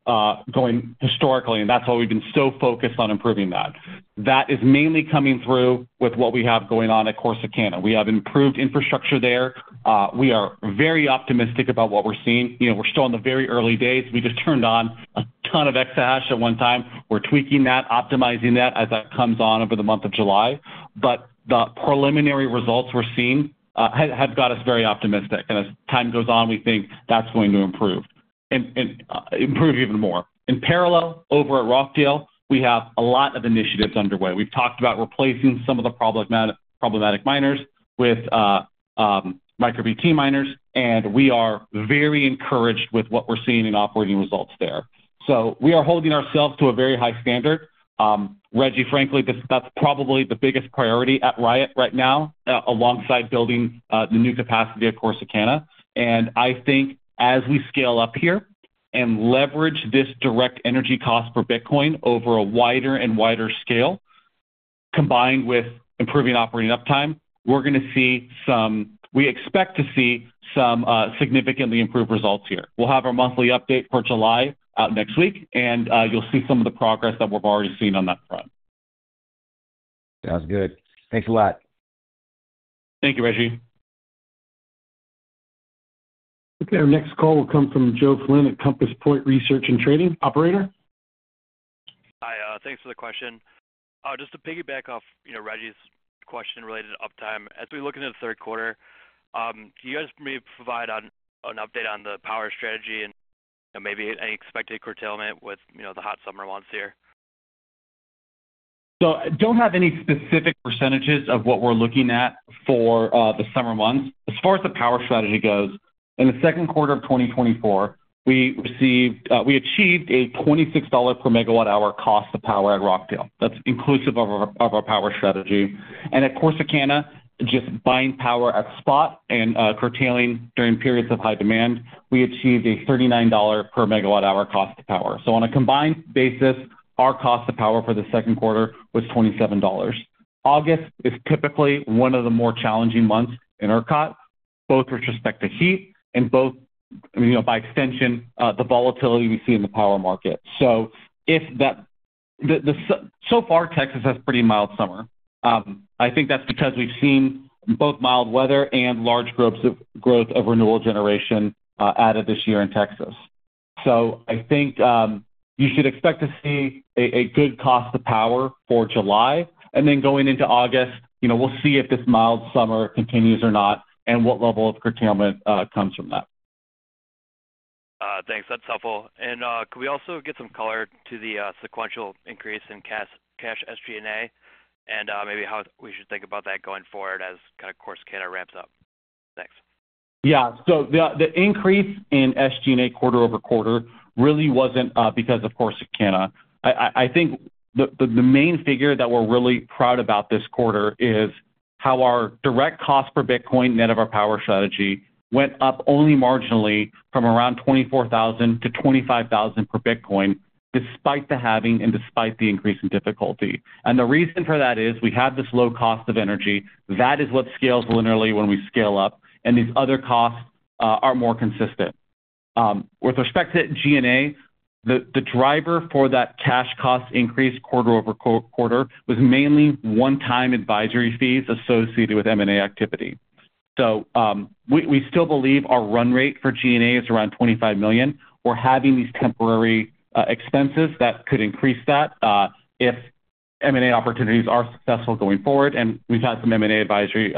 Speaker 3: going historically, and that's why we've been so focused on improving that. That is mainly coming through with what we have going on at Corsicana. We have improved infrastructure there. We are very optimistic about what we're seeing. We're still in the very early days. We just turned on a ton of exahash at one time. We're tweaking that, optimizing that as that comes on over the month of July. But the preliminary results we're seeing have got us very optimistic. And as time goes on, we think that's going to improve even more. In parallel, over at Rockdale, we have a lot of initiatives underway. We've talked about replacing some of the problematic miners with MicroBT miners, and we are very encouraged with what we're seeing in operating results there. So we are holding ourselves to a very high standard. Reggie, frankly, that's probably the biggest priority at Riot right now alongside building the new capacity at Corsicana. And I think as we scale up here and leverage this direct energy cost for Bitcoin over a wider and wider scale, combined with improving operating uptime, we're going to see some, we expect to see some significantly improved results here. We'll have our monthly update for July out next week, and you'll see some of the progress that we've already seen on that front.
Speaker 8: Sounds good. Thanks a lot.
Speaker 3: Thank you, Reggie.
Speaker 2: Okay. Our next call will come from Joe Flynn at Compass Point Research and Trading. Operator?
Speaker 9: Hi. Thanks for the question. Just to piggyback off Reggie's question related to uptime, as we look into the third quarter, can you guys maybe provide an update on the power strategy and maybe any expected curtailment with the hot summer months here?
Speaker 3: So I don't have any specific percentages of what we're looking at for the summer months. As far as the power strategy goes, in the second quarter of 2024, we achieved a $26 per MWh cost of power at Rockdale. That's inclusive of our power strategy. And at Corsicana, just buying power at spot and curtailing during periods of high demand, we achieved a $39 per MWh cost of power. So on a combined basis, our cost of power for the second quarter was $27. August is typically one of the more challenging months in ERCOT, both with respect to heat and, by extension, the volatility we see in the power market. So far, Texas has pretty mild summer. I think that's because we've seen both mild weather and large growth of renewable generation added this year in Texas. I think you should expect to see a good cost of power for July. Then going into August, we'll see if this mild summer continues or not and what level of curtailment comes from that.
Speaker 9: Thanks. That's helpful. Could we also get some color to the sequential increase in cash SG&A and maybe how we should think about that going forward as kind of Corsicana ramps up? Thanks.
Speaker 3: Yeah. So the increase in SG&A quarter-over-quarter really wasn't because of Corsicana. I think the main figure that we're really proud about this quarter is how our direct cost per Bitcoin net of our power strategy went up only marginally from around $24,000 to $25,000 per Bitcoin, despite the halving and despite the increase in difficulty. And the reason for that is we have this low cost of energy. That is what scales linearly when we scale up, and these other costs are more consistent. With respect to G&A, the driver for that cash cost increase quarter-over-quarter was mainly one-time advisory fees associated with M&A activity. So we still believe our run rate for G&A is around $25 million. We're having these temporary expenses that could increase that if M&A opportunities are successful going forward, and we've had some M&A advisory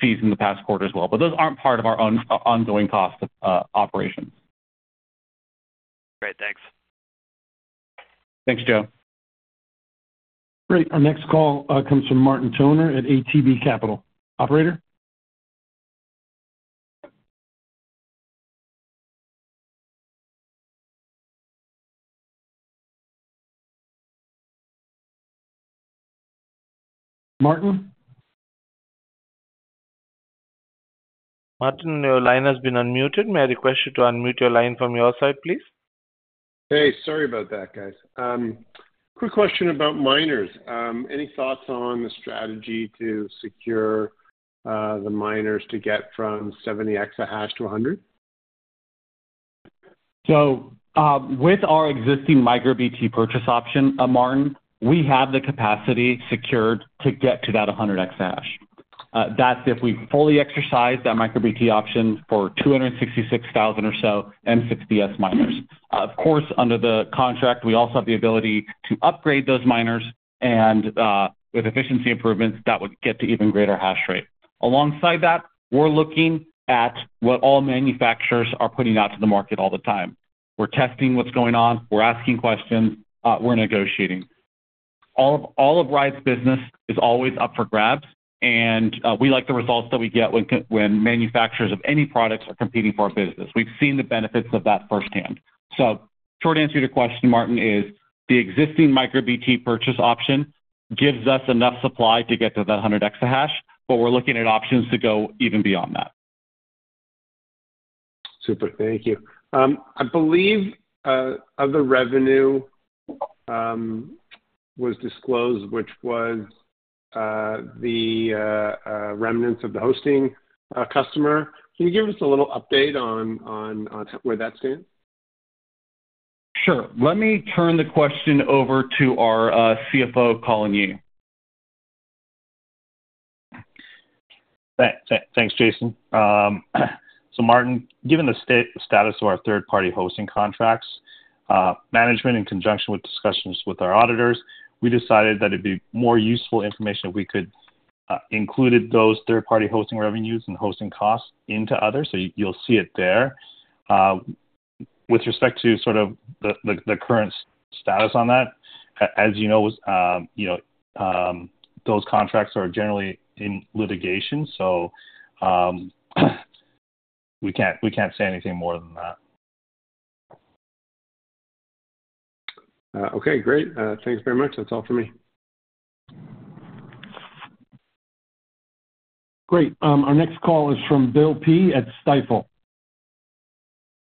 Speaker 3: fees in the past quarter as well. But those aren't part of our ongoing cost of operations.
Speaker 9: Great. Thanks.
Speaker 3: Thanks, Joe.
Speaker 2: Great. Our next call comes from Martin Toner at ATB Capital. Operator? Martin?
Speaker 1: Martin, your line has been unmuted. May I request you to unmute your line from your side, please?
Speaker 10: Hey, sorry about that, guys. Quick question about miners. Any thoughts on the strategy to secure the miners to get from 70 exahash to 100?
Speaker 3: So with our existing MicroBT purchase option, Martin, we have the capacity secured to get to that 100 EH/s. That's if we fully exercise that MicroBT option for 266,000 or so M66S miners. Of course, under the contract, we also have the ability to upgrade those miners, and with efficiency improvements, that would get to even greater hash rate. Alongside that, we're looking at what all manufacturers are putting out to the market all the time. We're testing what's going on. We're asking questions. We're negotiating. All of Riot's business is always up for grabs, and we like the results that we get when manufacturers of any products are competing for our business. We've seen the benefits of that firsthand. So short answer to your question, Martin, is the existing MicroBT purchase option gives us enough supply to get to that 100 exahash, but we're looking at options to go even beyond that.
Speaker 10: Super. Thank you. I believe other revenue was disclosed, which was the remnants of the hosting customer. Can you give us a little update on where that stands?
Speaker 3: Sure. Let me turn the question over to our CFO, Colin Yee.
Speaker 4: Thanks, Jason. So, Martin, given the status of our third-party hosting contracts, management, in conjunction with discussions with our auditors, we decided that it'd be more useful information if we could include those third-party hosting revenues and hosting costs into others. So you'll see it there. With respect to sort of the current status on that, as you know, those contracts are generally in litigation, so we can't say anything more than that.
Speaker 10: Okay. Great. Thanks very much. That's all for me.
Speaker 2: Great. Our next call is from Bill P at Stifel.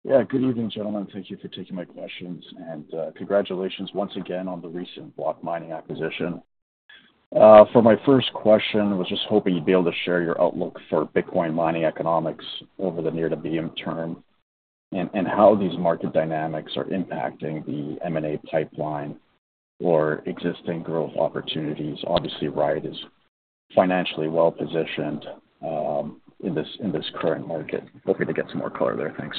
Speaker 11: Yeah. Good evening, gentlemen. Thank you for taking my questions, and congratulations once again on the recent Block Mining acquisition. For my first question, I was just hoping you'd be able to share your outlook for Bitcoin mining economics over the near to medium term and how these market dynamics are impacting the M&A pipeline or existing growth opportunities. Obviously, Riot is financially well-positioned in this current market. Hoping to get some more color there. Thanks.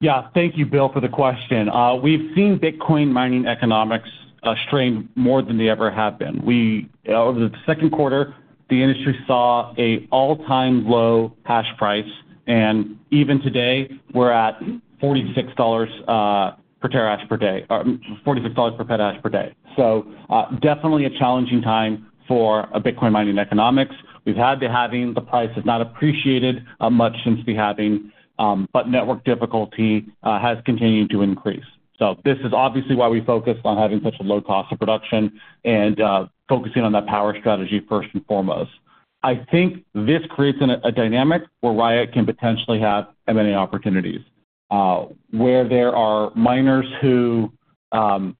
Speaker 3: Yeah. Thank you, Bill, for the question. We've seen Bitcoin mining economics strain more than they ever have been. Over the second quarter, the industry saw an all-time low hash price, and even today, we're at $46 per petahash per day. So definitely a challenging time for Bitcoin mining economics. We've had the halving. The price has not appreciated much since the halving, but network difficulty has continued to increase. So this is obviously why we focused on having such a low cost of production and focusing on that power strategy first and foremost. I think this creates a dynamic where Riot can potentially have M&A opportunities where there are miners who are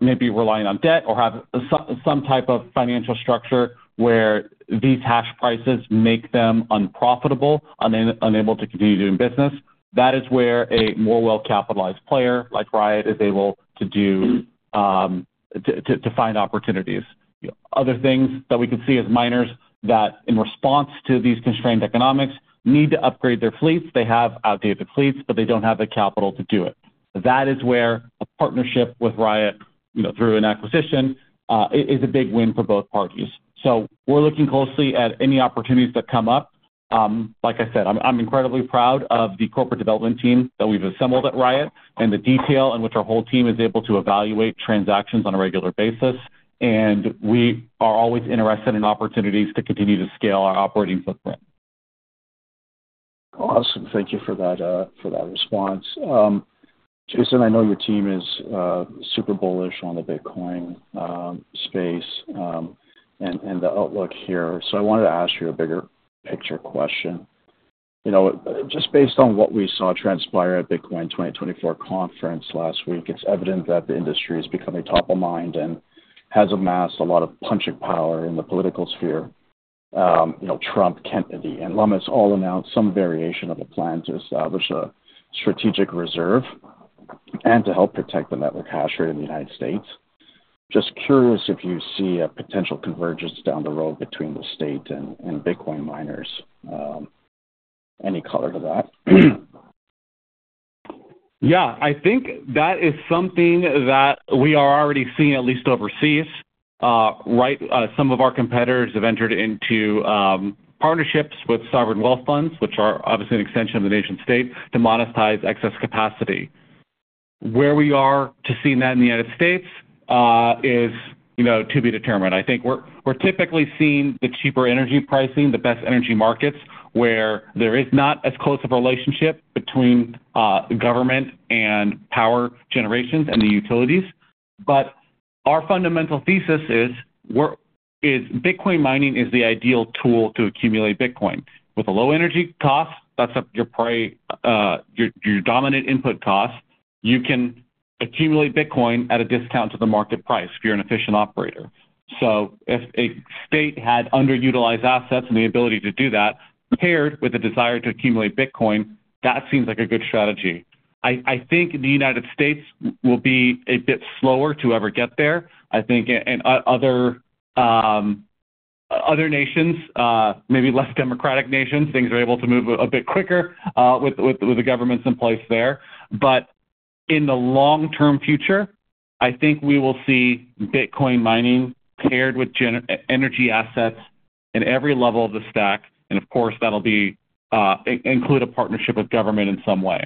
Speaker 3: maybe relying on debt or have some type of financial structure where these hash prices make them unprofitable, unable to continue doing business. That is where a more well-capitalized player like Riot is able to find opportunities. Other things that we can see as miners that, in response to these constrained economics, need to upgrade their fleets. They have outdated fleets, but they don't have the capital to do it. That is where a partnership with Riot through an acquisition is a big win for both parties. So we're looking closely at any opportunities that come up. Like I said, I'm incredibly proud of the corporate development team that we've assembled at Riot and the detail in which our whole team is able to evaluate transactions on a regular basis. We are always interested in opportunities to continue to scale our operating footprint.
Speaker 11: Awesome. Thank you for that response. Jason, I know your team is super bullish on the Bitcoin space and the outlook here. So I wanted to ask you a bigger picture question. Just based on what we saw transpire at Bitcoin 2024 conference last week, it's evident that the industry is becoming top of mind and has amassed a lot of punching power in the political sphere. Trump, Kennedy, and Lummis all announced some variation of a plan to establish a strategic reserve and to help protect the network hash rate in the United States. Just curious if you see a potential convergence down the road between the state and Bitcoin miners. Any color to that?
Speaker 3: Yeah. I think that is something that we are already seeing at least overseas. Some of our competitors have entered into partnerships with sovereign wealth funds, which are obviously an extension of the nation-state, to monetize excess capacity. Where we are to see that in the United States is to be determined. I think we're typically seeing the cheaper energy pricing, the best energy markets, where there is not as close of a relationship between government and power generations and the utilities. But our fundamental thesis is Bitcoin mining is the ideal tool to accumulate Bitcoin. With a low energy cost, that's your dominant input cost. You can accumulate Bitcoin at a discount to the market price if you're an efficient operator. So if a state had underutilized assets and the ability to do that paired with a desire to accumulate Bitcoin, that seems like a good strategy. I think the United States will be a bit slower to ever get there. I think in other nations, maybe less democratic nations, things are able to move a bit quicker with the governments in place there. But in the long-term future, I think we will see Bitcoin mining paired with energy assets in every level of the stack. And of course, that'll include a partnership with government in some way.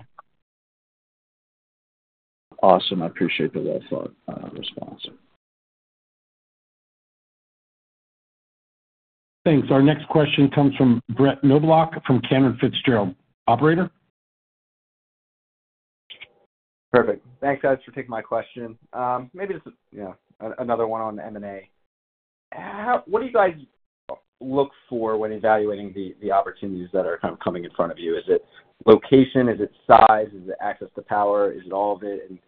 Speaker 11: Awesome. I appreciate the well-thought response.
Speaker 2: Thanks. Our next question comes from Brett Knoblauch from Cantor Fitzgerald. Operator?
Speaker 12: Perfect. Thanks, guys, for taking my question. Maybe just another one on M&A. What do you guys look for when evaluating the opportunities that are kind of coming in front of you? Is it location? Is it size? Is it access to power? Is it all of it? And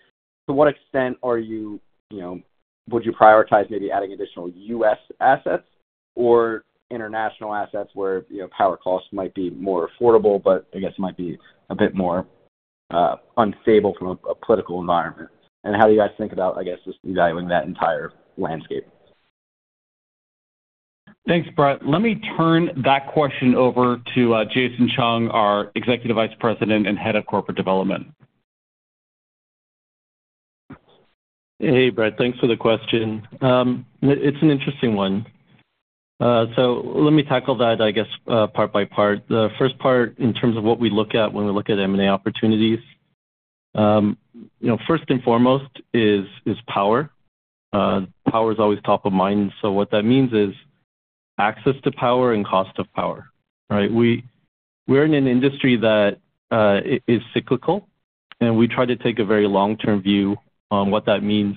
Speaker 12: to what extent would you prioritize maybe adding additional U.S. assets or international assets where power costs might be more affordable, but I guess it might be a bit more unstable from a political environment? And how do you guys think about, I guess, just evaluating that entire landscape?
Speaker 3: Thanks, Brett. Let me turn that question over to Jason Chung, our Executive Vice President and Head of Corporate Development.
Speaker 13: Hey, Brett. Thanks for the question. It's an interesting one. So let me tackle that, I guess, part by part. The first part, in terms of what we look at when we look at M&A opportunities, first and foremost is power. Power is always top of mind. So what that means is access to power and cost of power, right? We're in an industry that is cyclical, and we try to take a very long-term view on what that means,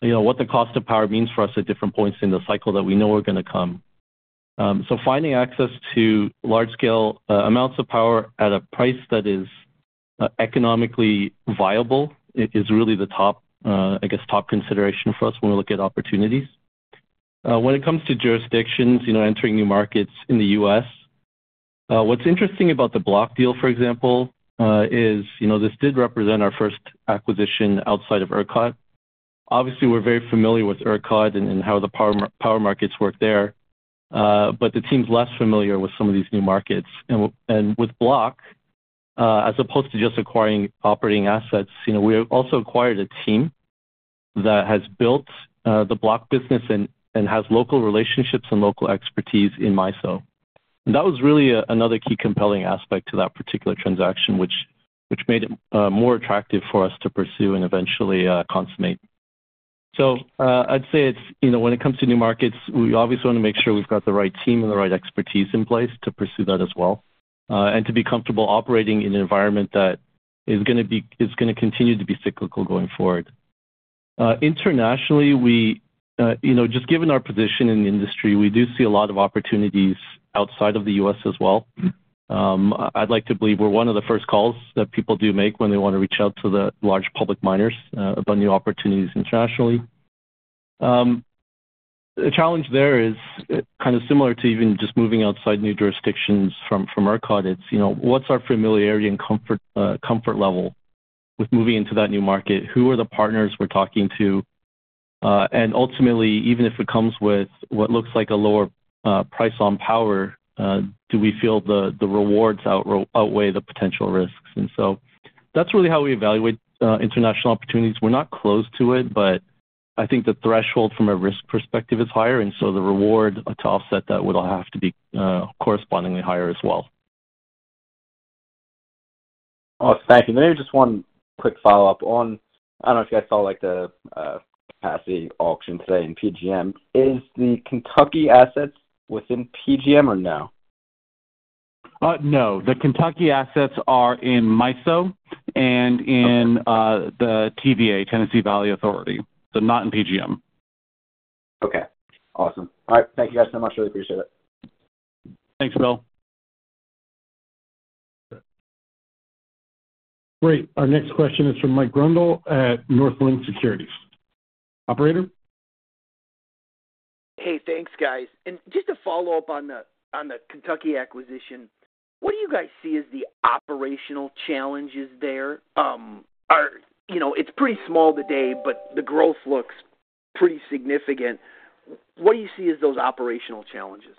Speaker 13: what the cost of power means for us at different points in the cycle that we know are going to come. So finding access to large-scale amounts of power at a price that is economically viable is really the, I guess, top consideration for us when we look at opportunities. When it comes to jurisdictions, entering new markets in the U.S., what's interesting about the block deal, for example, is this did represent our first acquisition outside of ERCOT. Obviously, we're very familiar with ERCOT and how the power markets work there, but the team's less familiar with some of these new markets. With block, as opposed to just acquiring operating assets, we also acquired a team that has built the block business and has local relationships and local expertise in MISO. That was really another key compelling aspect to that particular transaction, which made it more attractive for us to pursue and eventually consummate. So I'd say when it comes to new markets, we obviously want to make sure we've got the right team and the right expertise in place to pursue that as well and to be comfortable operating in an environment that is going to continue to be cyclical going forward. Internationally, just given our position in the industry, we do see a lot of opportunities outside of the U.S. as well. I'd like to believe we're one of the first calls that people do make when they want to reach out to the large public miners about new opportunities internationally. The challenge there is kind of similar to even just moving outside new jurisdictions from ERCOT. It's what's our familiarity and comfort level with moving into that new market? Who are the partners we're talking to? Ultimately, even if it comes with what looks like a lower price on power, do we feel the rewards outweigh the potential risks? So that's really how we evaluate international opportunities. We're not close to it, but I think the threshold from a risk perspective is higher. So the reward to offset that will have to be correspondingly higher as well.
Speaker 12: Awesome. Thank you. Maybe just one quick follow-up on, I don't know if you guys saw the capacity auction today in PJM. Is the Kentucky assets within PJM or no?
Speaker 3: No. The Kentucky assets are in MISO and in the TVA, Tennessee Valley Authority. So not in PJM.
Speaker 12: Okay. Awesome. All right. Thank you guys so much. Really appreciate it.
Speaker 3: Thanks, Bill.
Speaker 2: Great. Our next question is from Mike Grondahl at Northland Securities. Operator?
Speaker 14: Hey, thanks, guys. And just to follow up on the Kentucky acquisition, what do you guys see as the operational challenges there? It's pretty small today, but the growth looks pretty significant. What do you see as those operational challenges?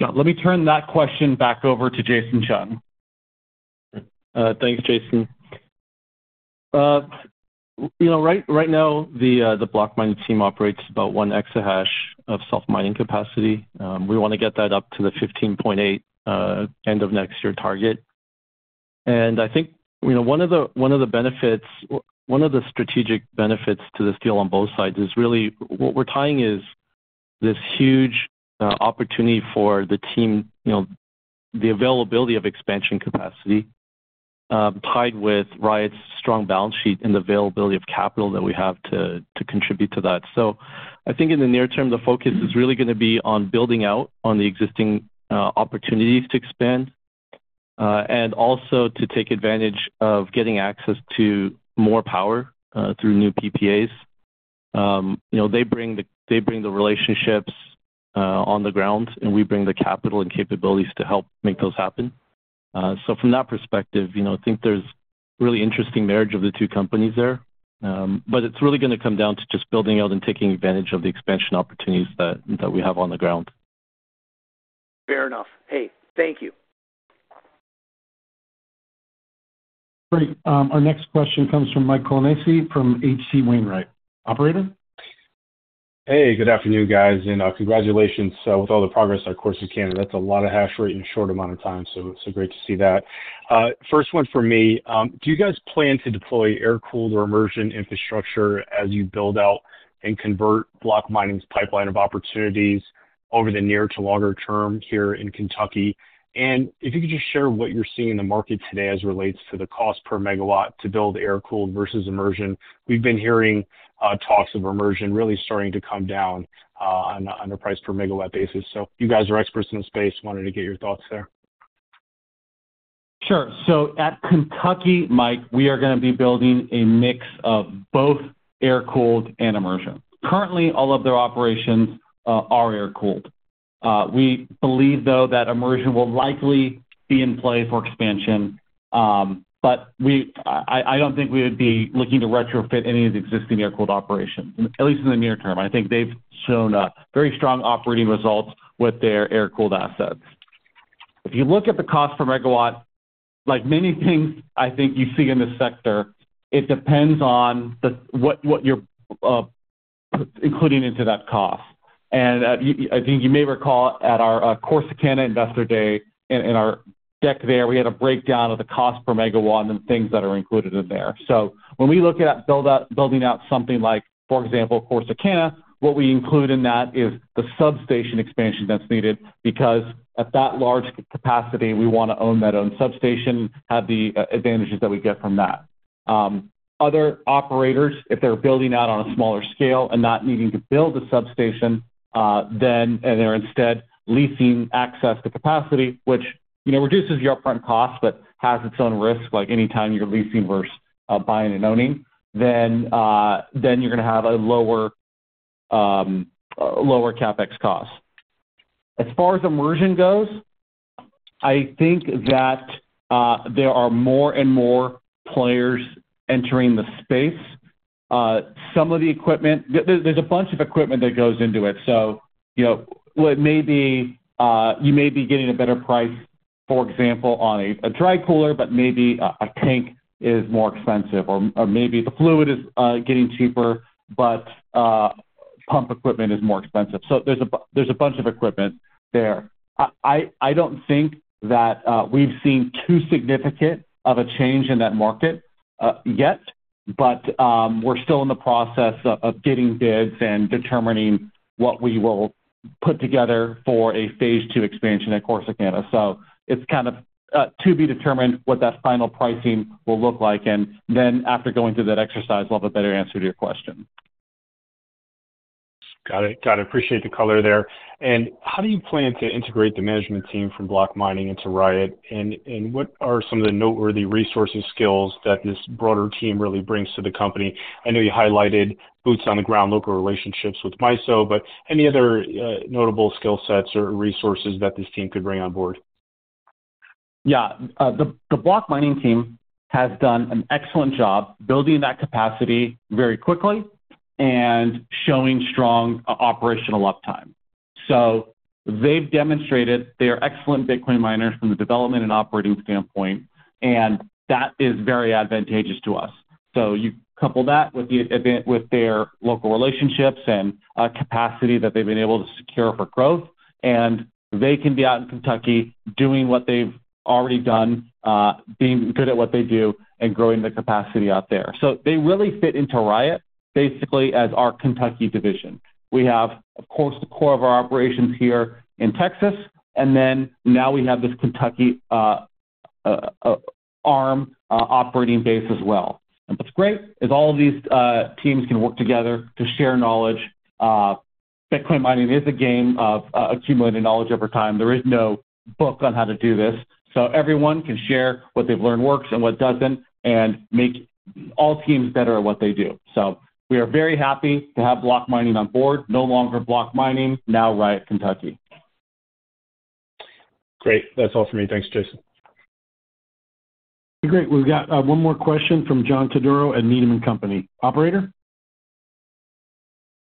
Speaker 3: Let me turn that question back over to Jason Chung.
Speaker 13: Thanks, Jason. Right now, the Block Mining team operates about 1 exahash of self-mining capacity. We want to get that up to the 15.8 end-of-next-year target. And I think one of the benefits, one of the strategic benefits to this deal on both sides is really what we're tying is this huge opportunity for the team, the availability of expansion capacity tied with Riot's strong balance sheet and the availability of capital that we have to contribute to that. So I think in the near term, the focus is really going to be on building out on the existing opportunities to expand and also to take advantage of getting access to more power through new PPAs. They bring the relationships on the ground, and we bring the capital and capabilities to help make those happen. So from that perspective, I think there's really interesting marriage of the two companies there. It's really going to come down to just building out and taking advantage of the expansion opportunities that we have on the ground.
Speaker 14: Fair enough. Hey, thank you.
Speaker 2: Great. Our next question comes from Mike Colonnese from H.C. Wainwright. Operator?
Speaker 15: Hey, good afternoon, guys. Congratulations with all the progress Riot has made in. That's a lot of hash rate in a short amount of time. So it's great to see that. First one for me. Do you guys plan to deploy air-cooled or immersion infrastructure as you build out and convert Block Mining's pipeline of opportunities over the near to longer term here in Kentucky? And if you could just share what you're seeing in the market today as it relates to the cost per megawatt to build air-cooled versus immersion. We've been hearing talks of immersion really starting to come down on a price per megawatt basis. So you guys are experts in the space. Wanted to get your thoughts there.
Speaker 3: Sure. So at Kentucky, Mike, we are going to be building a mix of both air-cooled and immersion. Currently, all of their operations are air-cooled. We believe, though, that immersion will likely be in play for expansion, but I don't think we would be looking to retrofit any of the existing air-cooled operations, at least in the near term. I think they've shown very strong operating results with their air-cooled assets. If you look at the cost per megawatt, like many things I think you see in this sector, it depends on what you're including into that cost. And I think you may recall at our Corsicana Investor Day in our deck there, we had a breakdown of the cost per megawatt and things that are included in there. So when we look at building out something like, for example, Corsicana, what we include in that is the substation expansion that's needed because at that large capacity, we want to own that own substation, have the advantages that we get from that. Other operators, if they're building out on a smaller scale and not needing to build a substation and they're instead leasing access to capacity, which reduces your upfront cost but has its own risk, like anytime you're leasing versus buying and owning, then you're going to have a lower CapEx cost. As far as immersion goes, I think that there are more and more players entering the space. Some of the equipment, there's a bunch of equipment that goes into it. So you may be getting a better price, for example, on a dry cooler, but maybe a tank is more expensive, or maybe the fluid is getting cheaper, but pump equipment is more expensive. So there's a bunch of equipment there. I don't think that we've seen too significant of a change in that market yet, but we're still in the process of getting bids and determining what we will put together for a phase two expansion at Corsicana. So it's kind of to be determined what that final pricing will look like. And then after going through that exercise, I'll have a better answer to your question.
Speaker 15: Got it. Got it. Appreciate the color there. And how do you plan to integrate the management team from Block Mining into Riot? And what are some of the noteworthy resources skills that this broader team really brings to the company? I know you highlighted boots on the ground, local relationships with MISO, but any other notable skill sets or resources that this team could bring on board?
Speaker 3: Yeah. The Block Mining team has done an excellent job building that capacity very quickly and showing strong operational uptime. So they've demonstrated they are excellent Bitcoin miners from the development and operating standpoint, and that is very advantageous to us. So you couple that with their local relationships and capacity that they've been able to secure for growth, and they can be out in Kentucky doing what they've already done, being good at what they do, and growing the capacity out there. So they really fit into Riot basically as our Kentucky division. We have, of course, the core of our operations here in Texas, and then now we have this Kentucky arm operating base as well. And what's great is all of these teams can work together to share knowledge. Bitcoin mining is a game of accumulating knowledge over time. There is no book on how to do this. So everyone can share what they've learned works and what doesn't and make all teams better at what they do. So we are very happy to have Block Mining on board. No longer Block Mining. Now Riot Kentucky.
Speaker 15: Great. That's all for me. Thanks, Jason.
Speaker 2: Okay. Great. We've got one more question from John Todaro at Needham & Company. Operator?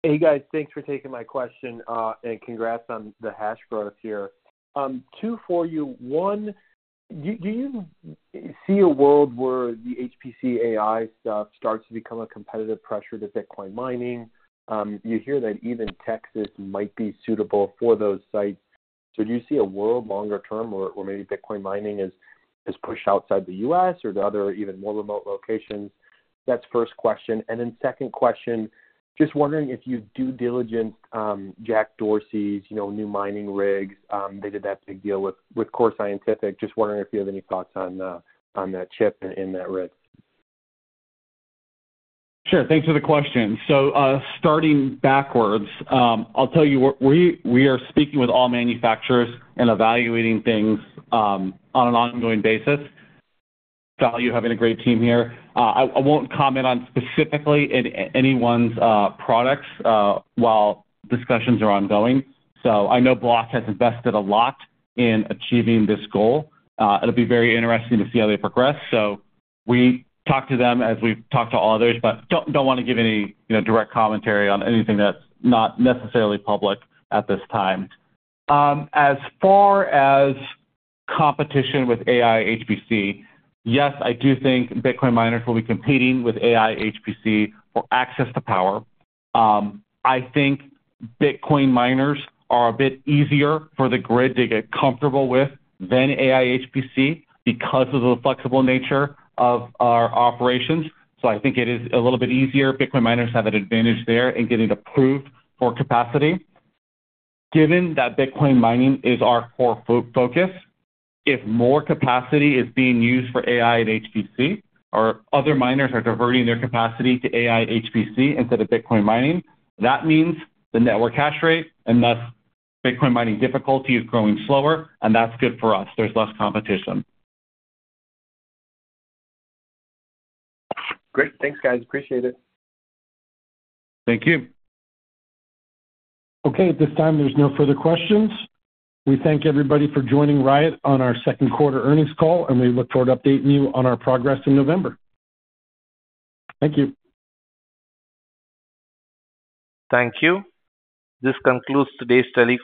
Speaker 16: Hey, guys. Thanks for taking my question and congrats on the hash growth here. Two for you. One, do you see a world where the HPC AI stuff starts to become a competitive pressure to Bitcoin mining? You hear that even Texas might be suitable for those sites. So do you see a world longer term where maybe Bitcoin mining is pushed outside the U.S. or to other even more remote locations? That's first question. And then second question, just wondering if you do diligence Jack Dorsey's new mining rigs. They did that big deal with Core Scientific. Just wondering if you have any thoughts on that chip and that rig.
Speaker 3: Sure. Thanks for the question. So starting backwards, I'll tell you we are speaking with all manufacturers and evaluating things on an ongoing basis. Value, you're having a great team here. I won't comment on specifically anyone's products while discussions are ongoing. So I know Block has invested a lot in achieving this goal. It'll be very interesting to see how they progress. So we talk to them as we've talked to others, but don't want to give any direct commentary on anything that's not necessarily public at this time. As far as competition with AI/HPC, yes, I do think Bitcoin miners will be competing with AI/HPC for access to power. I think Bitcoin miners are a bit easier for the grid to get comfortable with than AI/HPC because of the flexible nature of our operations. So I think it is a little bit easier. Bitcoin miners have an advantage there in getting approved for capacity. Given that Bitcoin mining is our core focus, if more capacity is being used for AI/HPC or other miners are diverting their capacity to AI/HPC instead of Bitcoin mining, that means the network hash rate and thus Bitcoin mining difficulty is growing slower, and that's good for us. There's less competition.
Speaker 16: Great. Thanks, guys. Appreciate it.
Speaker 3: Thank you.
Speaker 2: Okay. At this time, there's no further questions. We thank everybody for joining Riot on our second quarter earnings call, and we look forward to updating you on our progress in November. Thank you.
Speaker 1: Thank you. This concludes today's study of.